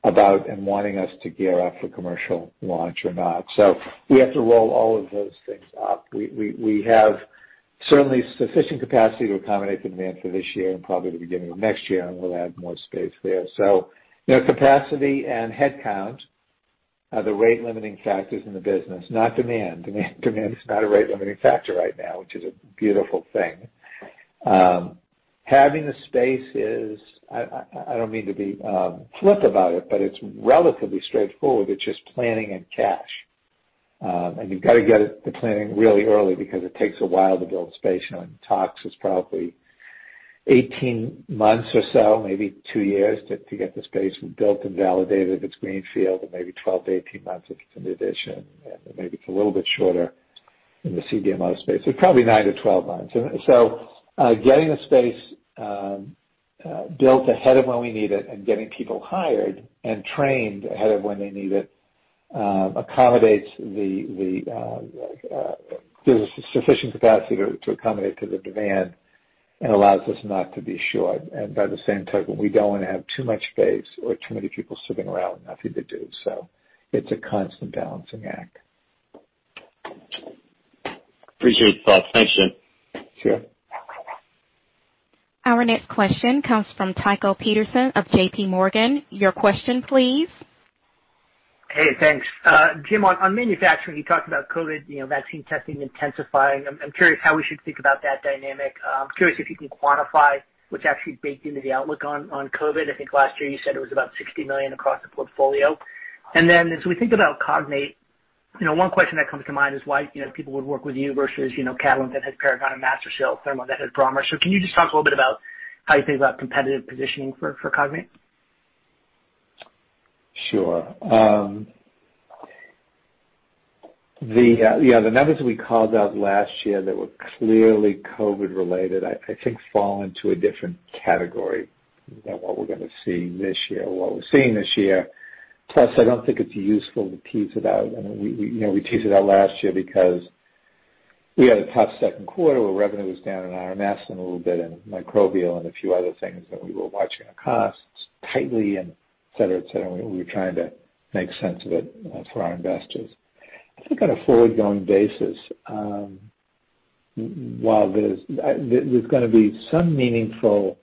about and wanting us to gear up for commercial launch or not? We have to roll all of those things up. We have certainly sufficient capacity to accommodate the demand for this year and probably the beginning of next year, and we'll add more space there. Capacity and headcount are the rate-limiting factors in the business, not demand. Demand is not a rate-limiting factor right now, which is a beautiful thing. Having the space is, I don't mean to be flip about it, but it's relatively straightforward. It's just planning and cash. You've got to get the planning really early because it takes a while to build space. On tox, it's probably 18 months or so, maybe two years to get the space built and validated if it's greenfield, and maybe 12-18 months if it's an addition, and maybe it's a little bit shorter in the CDMO space. Probably nine to 12 months. Getting the space built ahead of when we need it and getting people hired and trained ahead of when they need it gives us sufficient capacity to accommodate to the demand and allows us not to be short. By the same token, we don't want to have too much space or too many people sitting around with nothing to do. It's a constant balancing act. Appreciate the thoughts. Thanks, Jim. Sure. Our next question comes from Tycho Peterson of J.P. Morgan. Your question, please. Hey, thanks. Jim, on manufacturing, you talked about COVID vaccine testing intensifying. I'm curious how we should think about that dynamic. I'm curious if you can quantify what's actually baked into the outlook on COVID. I think last year you said it was about $60 million across the portfolio. As we think about Cognate, one question that comes to mind is why people would work with you versus Catalent that has Paragon and MaSTherCell, Thermo that has B.R.A.H.M.S. Can you just talk a little bit about how you think about competitive positioning for Cognate? Sure. The numbers we called out last year that were clearly COVID related, I think fall into a different category than what we're going to see this year and what we're seeing this year. I don't think it's useful to tease it out. We teased it out last year because we had a tough second quarter where revenue was down in RMS and a little bit in microbial and a few other things that we were watching our costs tightly and et cetera, et cetera, and we were trying to make sense of it for our investors. I think on a forward-going basis, there's going to be some meaningful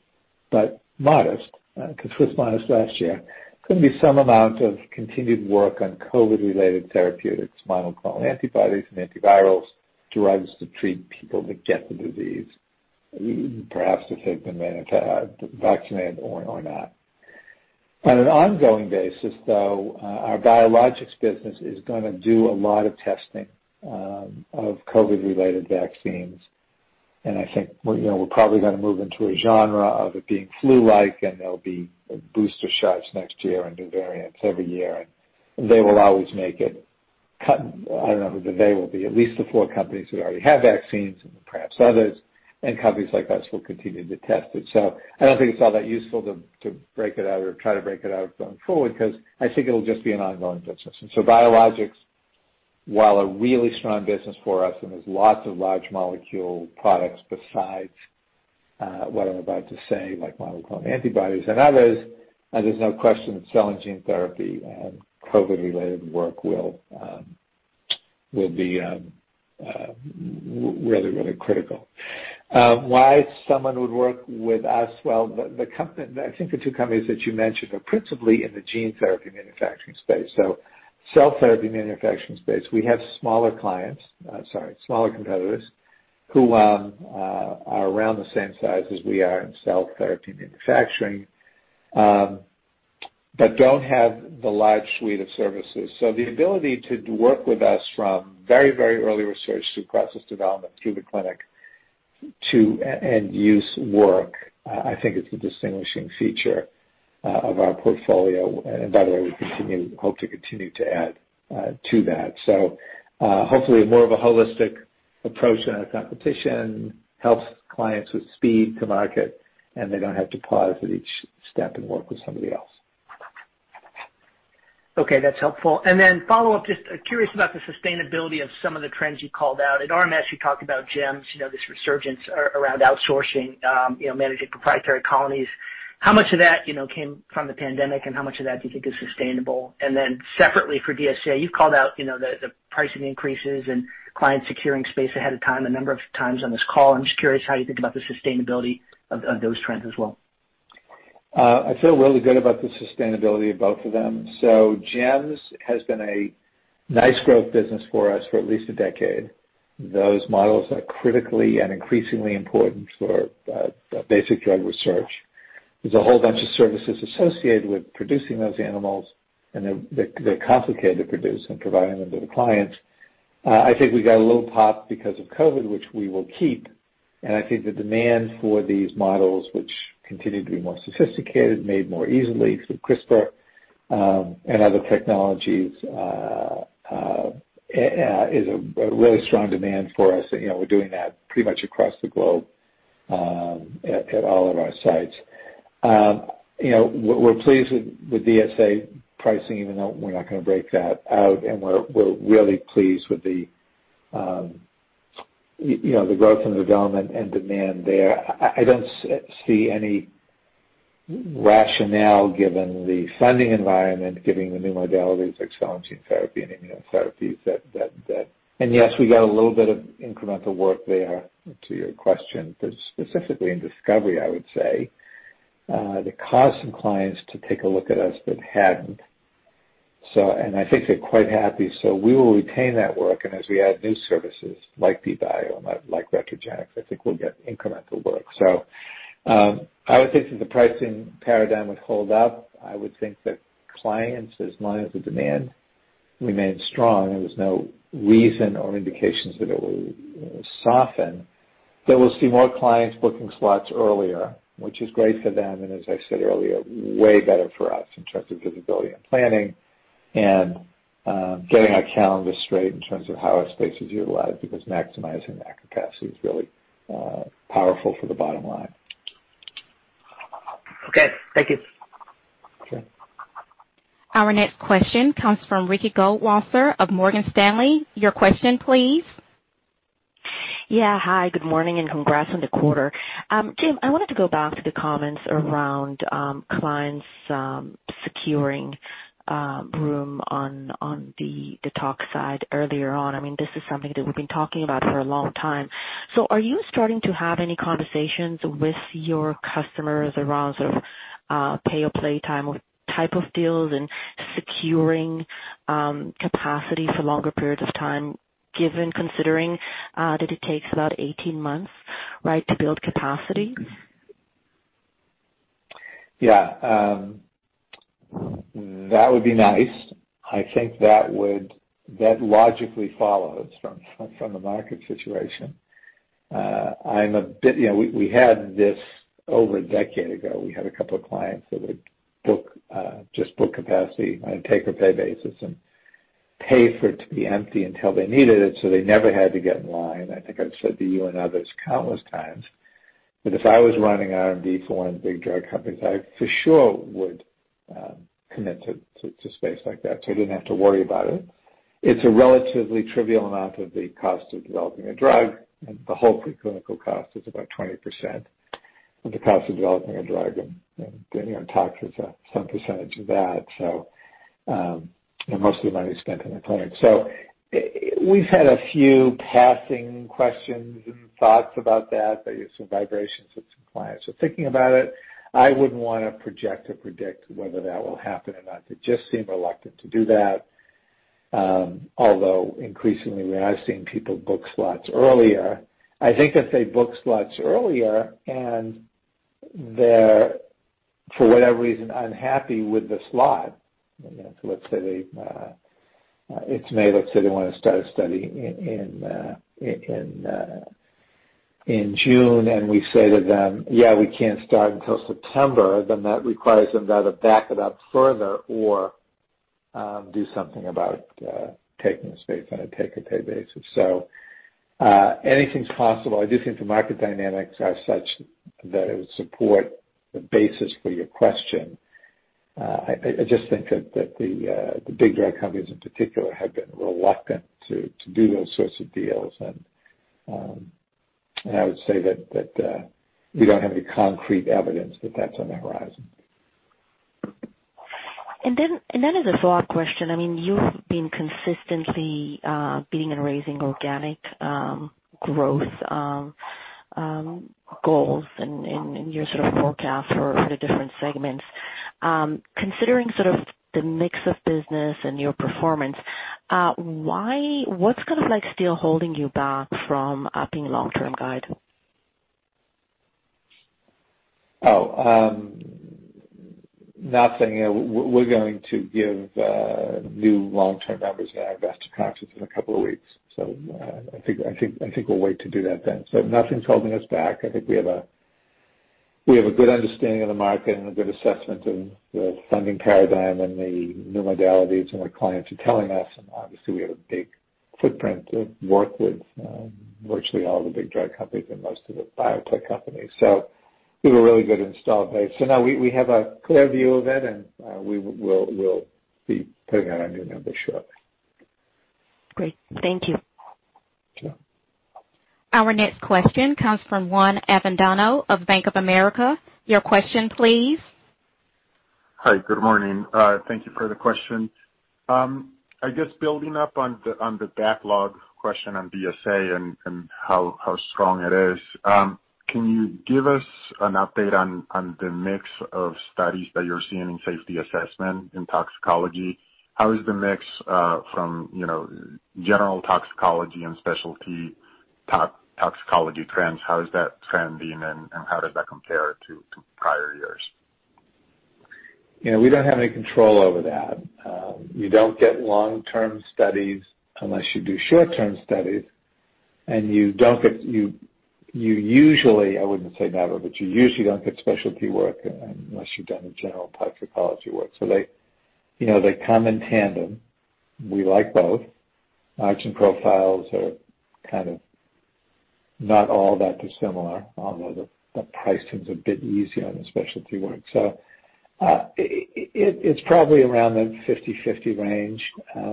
but modest, because it was modest last year, could be some amount of continued work on COVID-related therapeutics, monoclonal antibodies and antivirals, drugs to treat people that get the disease, perhaps if they've been vaccinated or not. On an ongoing basis, though, our biologics business is going to do a lot of testing of COVID-related vaccines. I think we're probably going to move into a genre of it being flu-like, there'll be booster shots next year and new variants every year, they will always make it. I don't know who the they will be, at least the four companies that already have vaccines and perhaps others, companies like us will continue to test it. I don't think it's all that useful to break it out or try to break it out going forward, because I think it'll just be an ongoing business. Biologics, while a really strong business for us, and there's lots of large molecule products besides what I'm about to say, like monoclonal antibodies and others, there's no question that cell and gene therapy COVID-related work will be really, really critical. Why someone would work with us? Well, I think the two companies that you mentioned are principally in the gene therapy manufacturing space. Cell therapy manufacturing space, we have smaller clients, sorry, smaller competitors who are around the same size as we are in cell therapy manufacturing, but don't have the large suite of services. The ability to work with us from very, very early research through process development, through the clinic to end-use work, I think is a distinguishing feature of our portfolio. By the way, we hope to continue to add to that. Hopefully more of a holistic approach than our competition, helps clients with speed to market, and they don't have to pause at each step and work with somebody else. Okay, that's helpful. Follow up, just curious about the sustainability of some of the trends you called out. At RMS, you talked about GEMS, this resurgence around outsourcing, managing proprietary colonies. How much of that came from the pandemic, and how much of that do you think is sustainable? Separately for DSA, you've called out the pricing increases and client securing space ahead of time a number of times on this call. I'm just curious how you think about the sustainability of those trends as well. I feel really good about the sustainability of both of them. GEMS has been a nice growth business for us for at least a decade. Those models are critically and increasingly important for basic drug research. There's a whole bunch of services associated with producing those animals, and they're complicated to produce and providing them to the clients. I think we got a little pop because of COVID, which we will keep. I think the demand for these models, which continue to be more sophisticated, made more easily through CRISPR, and other technologies, is a really strong demand for us. We're doing that pretty much across the globe at all of our sites. We're pleased with DSA pricing, even though we're not going to break that out, and we're really pleased with the growth and development and demand there. I don't see any rationale, given the funding environment, given the new modalities like cell and gene therapy and immunotherapies that, yes, we got a little bit of incremental work there, to your question, specifically in discovery, I would say, that caused some clients to take a look at us that hadn't. I think they're quite happy. We will retain that work, and as we add new services like Distributed Bio, like Retrogenix, I think we'll get incremental work. I would think that the pricing paradigm would hold up. I would think that clients, as long as the demand remains strong, there is no reason or indications that it will soften. That we'll see more clients booking slots earlier, which is great for them, and as I said earlier, way better for us in terms of visibility and planning and getting our calendar straight in terms of how our space is utilized, because maximizing that capacity is really powerful for the bottom line. Okay. Thank you. Okay. Our next question comes from Ricky Goldwasser of Morgan Stanley. Your question please. Hi, good morning. Congrats on the quarter. Jim, I wanted to go back to the comments around clients securing room on the tox side earlier on. This is something that we've been talking about for a long time. Are you starting to have any conversations with your customers around sort of pay or play type of deals and securing capacity for longer periods of time, given considering that it takes about 18 months to build capacity? Yeah. That would be nice. I think that logically follows from the market situation. We had this over a decade ago. We had a couple of clients that would just book capacity on a pay-per-view basis and pay for it to be empty until they needed it, so they never had to get in line. I think I've said to you and others countless times, that if I was running R&D for one of the big drug companies, I for sure would commit to space like that so I didn't have to worry about it. It's a relatively trivial amount of the cost of developing a drug, and the whole pre-clinical cost is about 20% of the cost of developing a drug and tox is some percentage of that. Most of the money is spent on the clinic. We've had a few passing questions and thoughts about that. I get some vibrations with some clients thinking about it. I wouldn't want to project or predict whether that will happen or not. I just seem reluctant to do that. Although increasingly, I've seen people book slots earlier. I think if they book slots earlier and they're, for whatever reason, unhappy with the slot, so let's say they want to start a study in June, and we say to them, "Yeah, we can't start until September" then that requires them now to back it up further or do something about taking the space on a pay-per-view basis. Anything's possible. I do think the market dynamics are such that it would support the basis for your question. I just think that the big drug companies in particular have been reluctant to do those sorts of deals, and I would say that we don't have any concrete evidence that that's on the horizon. As a follow-up question, you've been consistently beating and raising organic growth goals in your sort of forecast for the different segments. Considering sort of the mix of business and your performance, what's kind of still holding you back from upping long-term guide? Nothing. We're going to give new long-term numbers at our investor conference in a couple of weeks. I think we'll wait to do that then. Nothing's holding us back. I think we have a good understanding of the market and a good assessment of the funding paradigm and the new modalities and what clients are telling us. Obviously, we have a big footprint to work with virtually all the big drug companies and most of the biotech companies. We have a really good install base. No, we have a clear view of it, and we'll be putting out our new numbers shortly. Great. Thank you. Sure. Our next question comes from Juan Avendano of Bank of America. Your question please. Hi, good morning. Thank you for the question. I guess building up on the backlog question on DSA and how strong it is, can you give us an update on the mix of studies that you're seeing in safety assessment in toxicology? How is the mix from general toxicology and specialty toxicology trends, how is that trending and how does that compare to prior years? We don't have any control over that. You don't get long-term studies unless you do short-term studies, and you usually, I wouldn't say never, but you usually don't get specialty work unless you've done the general toxicology work. They come in tandem. We like both. Tox profiles are kind of not all that dissimilar, although the pricing's a bit easier on the specialty work. It's probably around the 50/50 range.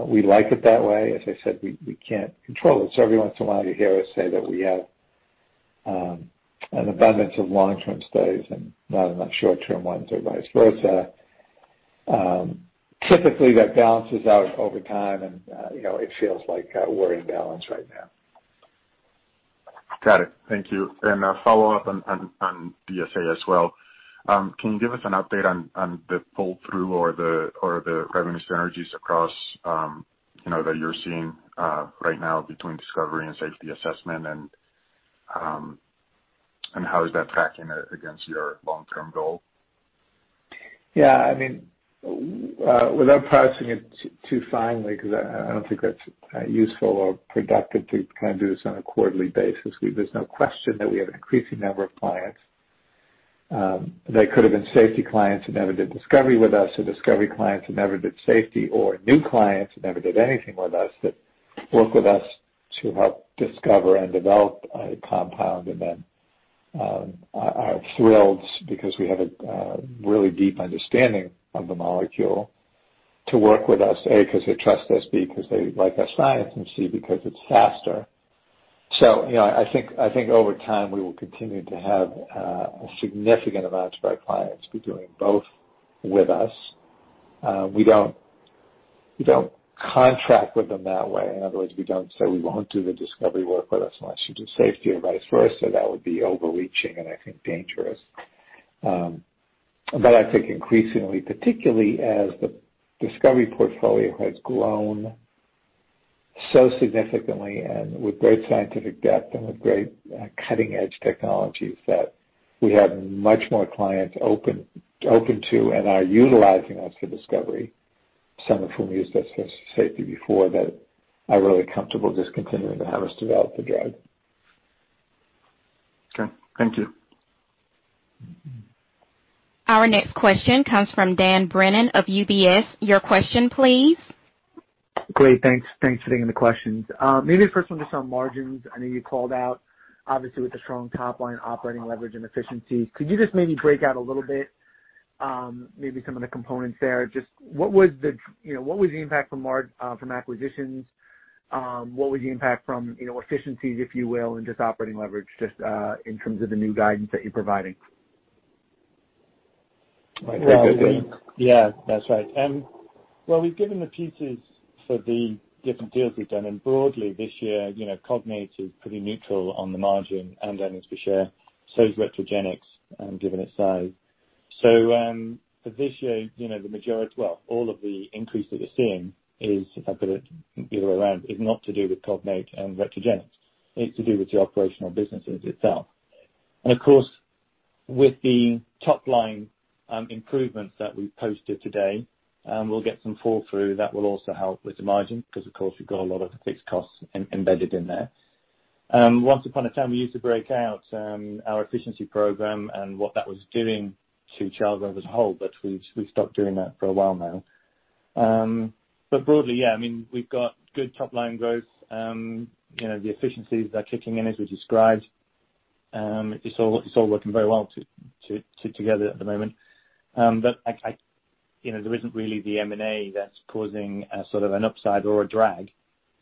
We like it that way. As I said, we can't control it. Every once in a while, you hear us say that we have an abundance of long-term studies and not enough short-term ones or vice versa. Typically, that balances out over time and it feels like we're in balance right now. Got it. Thank you. A follow-up on DSA as well. Can you give us an update on the pull-through or the revenue synergies across that you're seeing right now between Discovery and Safety Assessment and how is that tracking against your long-term goal? Yeah. Without parsing it too finely, because I don't think that's useful or productive to do this on a quarterly basis, there's no question that we have an increasing number of clients that could've been safety clients who never did discovery with us, or discovery clients who never did safety, or new clients who never did anything with us, that work with us to help discover and develop a compound and then are thrilled because we have a really deep understanding of the molecule to work with us, A, because they trust us, B, because they like our science, and C, because it's faster. I think over time, we will continue to have significant amounts of our clients be doing both with us. We don't contract with them that way. In other words, we don't say, "We won't do the discovery work with us unless you do safety and vice versa." That would be overreaching and I think dangerous. I think increasingly, particularly as the discovery portfolio has grown so significantly and with great scientific depth and with great cutting-edge technologies, that we have much more clients open to and are utilizing us for discovery, some of whom used us for safety before that are really comfortable just continuing to have us develop the drug. Okay. Thank you. Our next question comes from Dan Brennan of UBS. Your question, please. Great. Thanks for taking the questions. Maybe the first one just on margins. I know you called out, obviously, with the strong top line operating leverage and efficiencies. Could you just maybe break out a little bit, maybe some of the components there? Just what was the impact from acquisitions, what was the impact from efficiencies, if you will, and just operating leverage, just in terms of the new guidance that you're providing? All right. Yeah, that's right. Well, we've given the pieces for the different deals we've done. Broadly this year, Cognate is pretty neutral on the margin and earnings per share, so is Retrogenix, given its size. For this year, all of the increase that you're seeing is, if I put it the other way around, is not to do with Cognate and Retrogenix. It's to do with the operational businesses itself. Of course, with the top-line improvements that we've posted today, we'll get some fall through that will also help with the margin, because of course we've got a lot of fixed costs embedded in there. Once upon a time, we used to break out our efficiency program and what that was doing to Charles River as a whole, but we've stopped doing that for a while now. Broadly, yeah, we've got good top-line growth. The efficiencies are kicking in as we described. It's all working very well together at the moment. There isn't really the M&A that's causing a sort of an upside or a drag,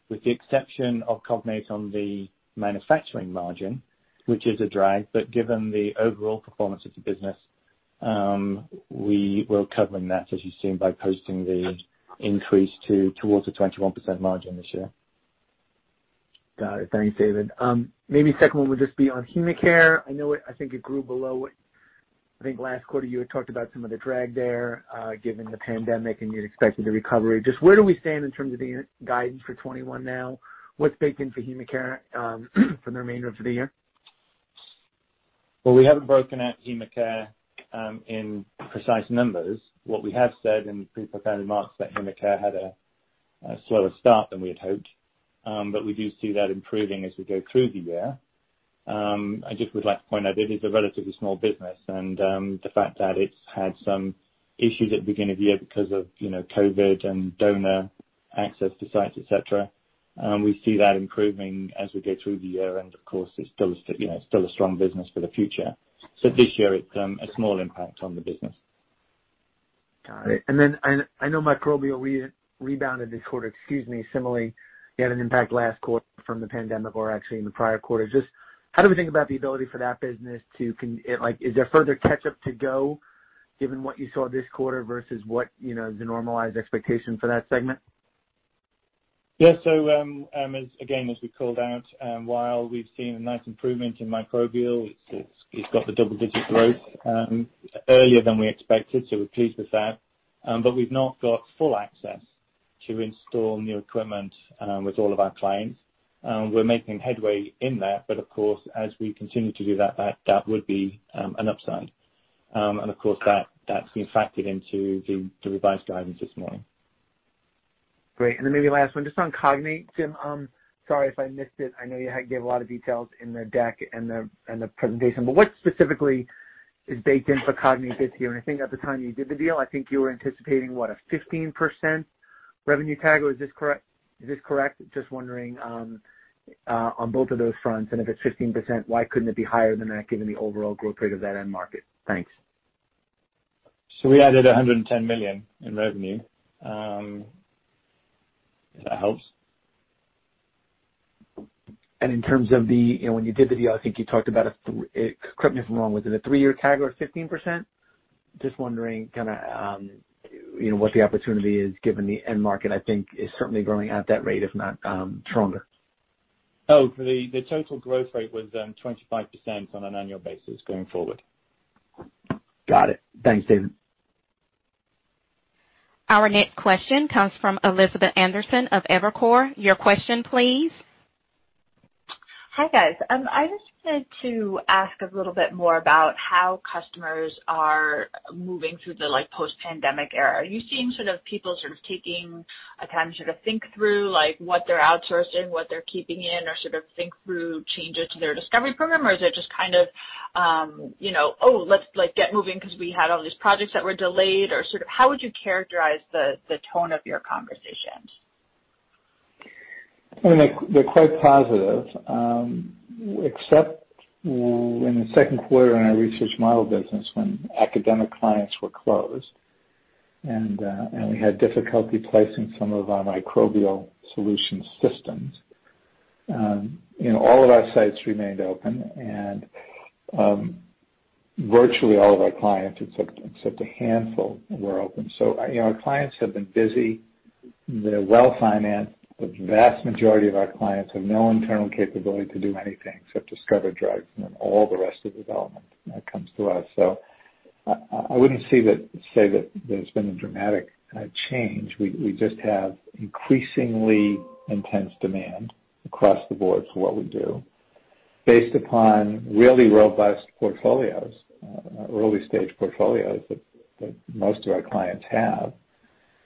with the exception of Cognate on the manufacturing margin, which is a drag. Given the overall performance of the business, we're covering that, as you've seen, by posting the increase towards the 21% margin this year. Got it. Thanks, David. Maybe second one would just be on HemaCare. I think it grew below I think last quarter you had talked about some of the drag there, given the pandemic, and you'd expected a recovery. Just where do we stand in terms of the guidance for 2021 now? What's baked in for HemaCare for the remainder of the year? Well, we haven't broken out HemaCare in precise numbers. What we have said in pre-prepared remarks is that HemaCare had a slower start than we had hoped. We do see that improving as we go through the year. I just would like to point out, it is a relatively small business, and the fact that it's had some issues at the beginning of the year because of COVID and donor access to sites, et cetera, we see that improving as we go through the year. Of course, it's still a strong business for the future. This year, it's a small impact on the business. Got it. I know Microbial rebounded this quarter. Excuse me. Similarly, you had an impact last quarter from the pandemic, or actually in the prior quarter. Just how do we think about the ability for that business? Is there further catch-up to go given what you saw this quarter versus what the normalized expectation for that segment? Yeah. Again, as we called out, while we've seen a nice improvement in Microbial, it's got the double-digit growth earlier than we expected, so we're pleased with that. We've not got full access to install new equipment with all of our clients. We're making headway in there, but of course, as we continue to do that would be an upside. Of course, that's been factored into the revised guidance this morning. Great. Maybe last one, just on Cognate, Jim. Sorry if I missed it. I know you gave a lot of details in the deck and the presentation, but what specifically is baked in for Cognate this year? I think at the time you did the deal, I think you were anticipating, what, a 15% revenue tag, or is this correct? Just wondering on both of those fronts, if it's 15%, why couldn't it be higher than that given the overall growth rate of that end market? Thanks. We added $110 million in revenue, if that helps. In terms of when you did the deal, I think you talked about a, correct me if I'm wrong, was it a three-year tag or 15%? Just wondering what the opportunity is given the end market, I think, is certainly growing at that rate, if not stronger. Oh, the total growth rate was 25% on an annual basis going forward. Got it. Thanks, David. Our next question comes from Elizabeth Anderson of Evercore. Your question, please. Hi, guys. I just wanted to ask a little bit more about how customers are moving through the post-pandemic era. Are you seeing people sort of taking a time to think through what they're outsourcing, what they're keeping in, or sort of think through changes to their discovery program? Is it just kind of, oh, let's get moving because we had all these projects that were delayed. How would you characterize the tone of your conversations? They're quite positive, except in the second quarter in our research model business when academic clients were closed, and we had difficulty placing some of our Microbial Solutions systems. All of our sites remained open and virtually all of our clients, except a handful, were open. Our clients have been busy. They're well-financed. The vast majority of our clients have no internal capability to do anything except discover drugs and then all the rest of development comes to us. I wouldn't say that there's been a dramatic change. We just have increasingly intense demand across the board for what we do, based upon really robust portfolios, early-stage portfolios that most of our clients have,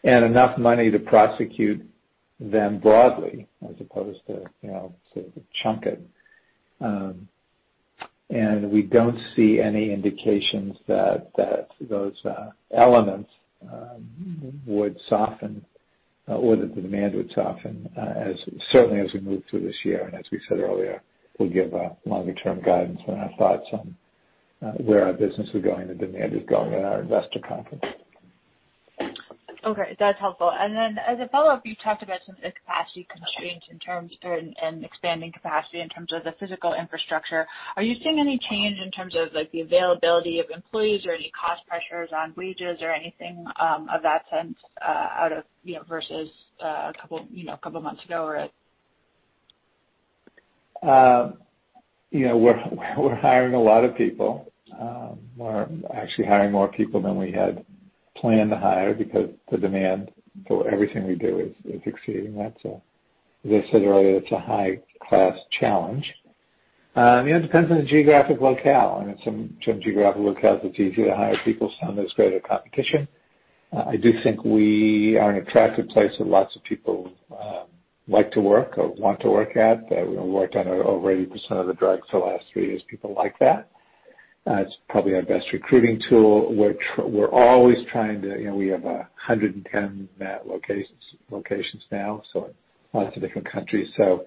and enough money to prosecute them broadly as opposed to chunk it. We don't see any indications that those elements would soften, or that the demand would soften, certainly as we move through this year. As we said earlier, we'll give longer-term guidance on our thoughts on where our business is going and demand is going at our investor conference. Okay. That's helpful. As a follow-up, you talked about some of the capacity constraints and expanding capacity in terms of the physical infrastructure, are you seeing any change in terms of the availability of employees or any cost pressures on wages or anything of that sense versus a couple months ago? We're hiring a lot of people. We're actually hiring more people than we had planned to hire because the demand for everything we do is exceeding that. As I said earlier, it's a high-class challenge. It depends on the geographic locale. In some geographic locales, it's easier to hire people, some, there's greater competition. I do think we are an attractive place that lots of people like to work or want to work at, that we worked on over 80% of the drugs the last three years. People like that. It's probably our best recruiting tool. We have 110 locations now, so lots of different countries. The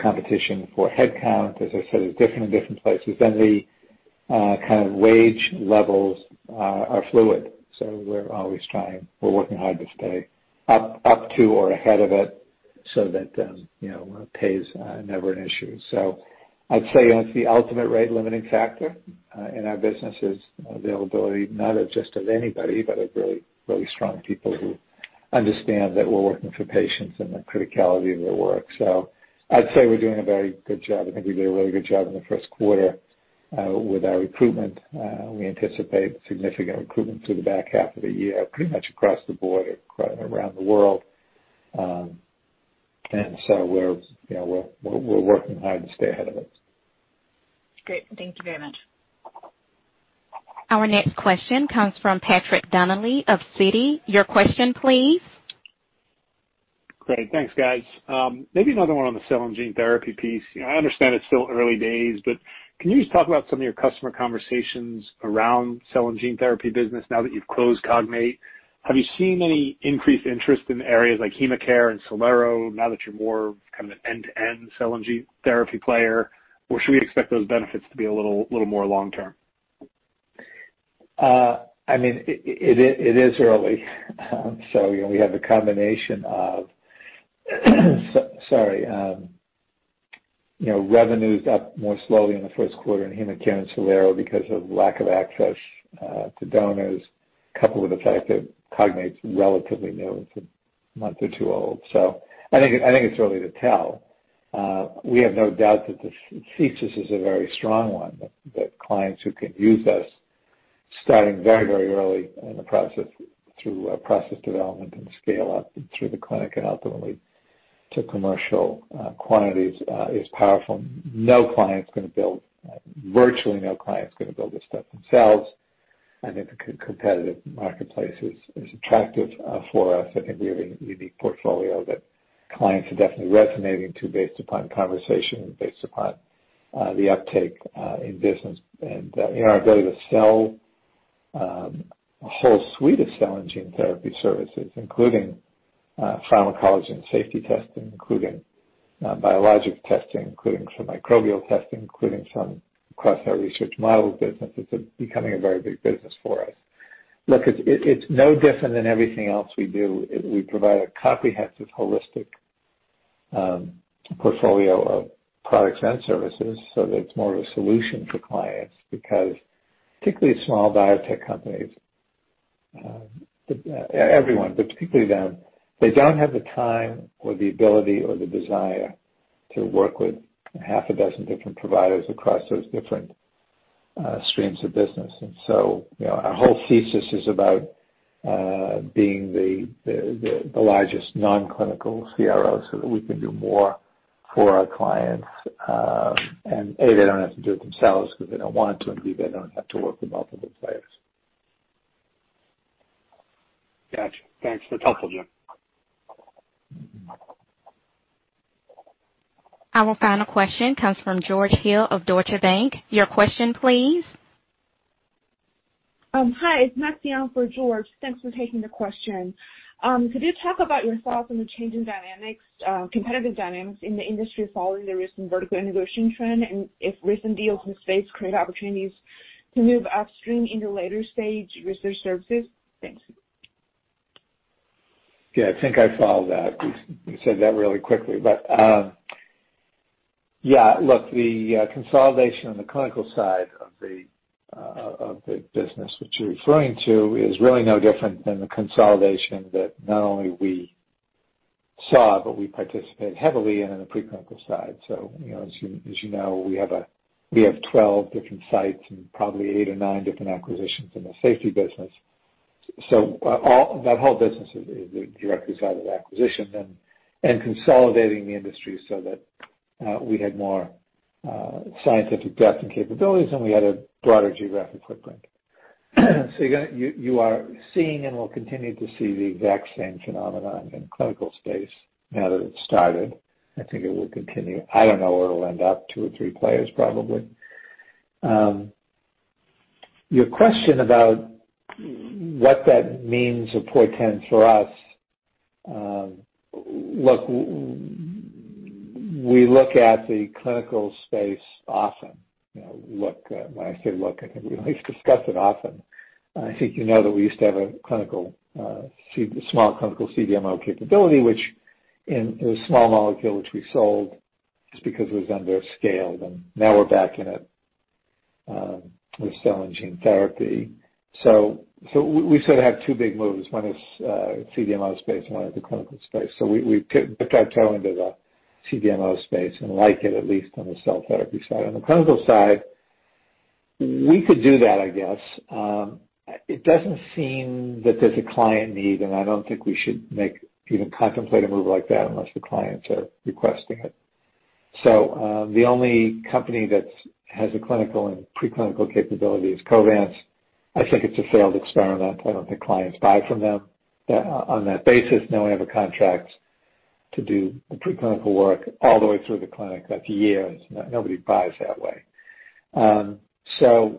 competition for headcount, as I said, is different in different places. The kind of wage levels are fluid, so we're always trying. We're working hard to stay up to or ahead of it so that pay is never an issue. I'd say it's the ultimate rate-limiting factor in our business is availability, not just of anybody, but of really strong people who understand that we're working for patients and the criticality of their work. I'd say we're doing a very good job. I think we did a really good job in the first quarter with our recruitment. We anticipate significant recruitment through the back half of the year, pretty much across the board, around the world. And so we're working hard to stay ahead of it. Great. Thank you very much. Our next question comes from Patrick Donnelly of Citi. Your question, please. Great. Thanks, guys. Maybe another one on the cell and gene therapy piece. I understand it's still early days, but can you just talk about some of your customer conversations around cell and gene therapy business now that you've closed Cognate? Have you seen any increased interest in areas like HemaCare and Cellero now that you're more kind of an end-to-end cell and gene therapy player, or should we expect those benefits to be a little more long-term? It is early. We have the combination of sorry, revenues up more slowly in the first quarter in HemaCare and Cellero because of lack of access to donors, coupled with the fact that Cognate's relatively new. It's a month or two old. I think it's early to tell. We have no doubt that the thesis is a very strong one, that clients who can use us starting very early in the process through process development and scale-up and through the clinic and ultimately to commercial quantities, is powerful. Virtually no client's going to build this stuff themselves, and the competitive marketplace is attractive for us. I think we have a unique portfolio that clients are definitely resonating to based upon conversation and based upon the uptake in business and our ability to sell a whole suite of cell and gene therapy services, including pharmacology and safety testing, including biologic testing, including some microbial testing, including some across our research models business. It's becoming a very big business for us. Look, it's no different than everything else we do. We provide a comprehensive, holistic portfolio of products and services so that it's more of a solution for clients, because particularly small biotech companies, everyone, but particularly them, they don't have the time or the ability or the desire to work with half a dozen different providers across those different streams of business. Our whole thesis is about being the largest non-clinical CRO, so that we can do more for our clients. A, they don't have to do it themselves because they don't want to, and B, they don't have to work with multiple players. Got you. Thanks. That's helpful, Jim. Our final question comes from George Hill of Deutsche Bank. Your question, please. Hi, it's Max Smock for George Hill. Thanks for taking the question. Could you talk about your thoughts on the change in competitive dynamics in the industry following the recent vertical integration trend, and if recent deals in the space create opportunities to move upstream into later-stage research services? Thanks. Yeah, I think I follow that. You said that really quickly. Yeah, look, the consolidation on the clinical side of the business, which you're referring to, is really no different than the consolidation that not only we saw, but we participate heavily in, on the pre-clinical side. As you know, we have 12 different sites and probably eight or nine different acquisitions in the safety business. That whole business is the direct result of acquisition and consolidating the industry so that we had more scientific depth and capabilities, and we had a broader geographic footprint. You are seeing and will continue to see the exact same phenomenon in clinical space now that it's started. I think it will continue. I don't know where it'll end up. Two or three players, probably. Your question about what that means, therefore, 10 for us. We look at the clinical space often. When I say look, I think we at least discuss it often. I think you know that we used to have a small clinical CDMO capability, which in a small molecule, which we sold just because it was under scale. Now we're back in it with cell and gene therapy. We sort of have two big moves. One is CDMO space and one is the clinical space. We dip our toe into the CDMO space and like it, at least on the cell therapy side. On the clinical side, we could do that, I guess. It doesn't seem that there's a client need, and I don't think we should even contemplate a move like that unless the clients are requesting it. The only company that has a clinical and pre-clinical capability is Covance. I think it's a failed experiment. I don't think clients buy from them on that basis, knowing we have a contract to do the pre-clinical work all the way through the clinic. That's years. Nobody buys that way.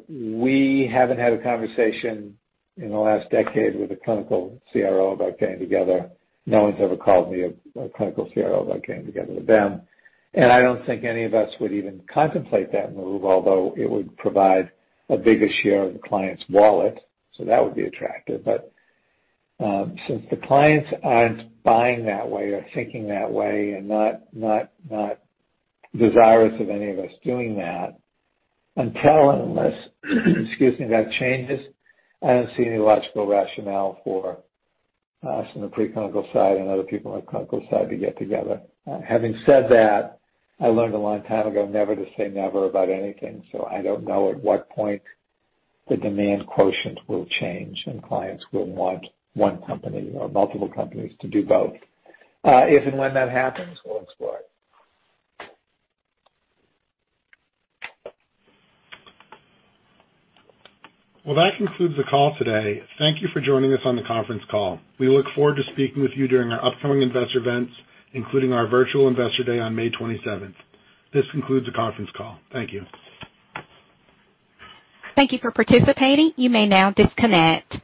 We haven't had a conversation in the last decade with a clinical CRO about getting together. No one's ever called me a clinical CRO about getting together with them. I don't think any of us would even contemplate that move, although it would provide a bigger share of the client's wallet, so that would be attractive. Since the clients aren't buying that way or thinking that way and not desirous of any of us doing that, until and unless that changes, I don't see any logical rationale for us in the pre-clinical side and other people on the clinical side to get together. Having said that, I learned a long time ago never to say never about anything. I don't know at what point the demand quotient will change and clients will want one company or multiple companies to do both. If and when that happens, we'll explore it. Well, that concludes the call today. Thank you for joining us on the conference call. We look forward to speaking with you during our upcoming investor events, including our virtual Investor Day on May 27th. This concludes the conference call. Thank you. Thank you for participating. You may now disconnect.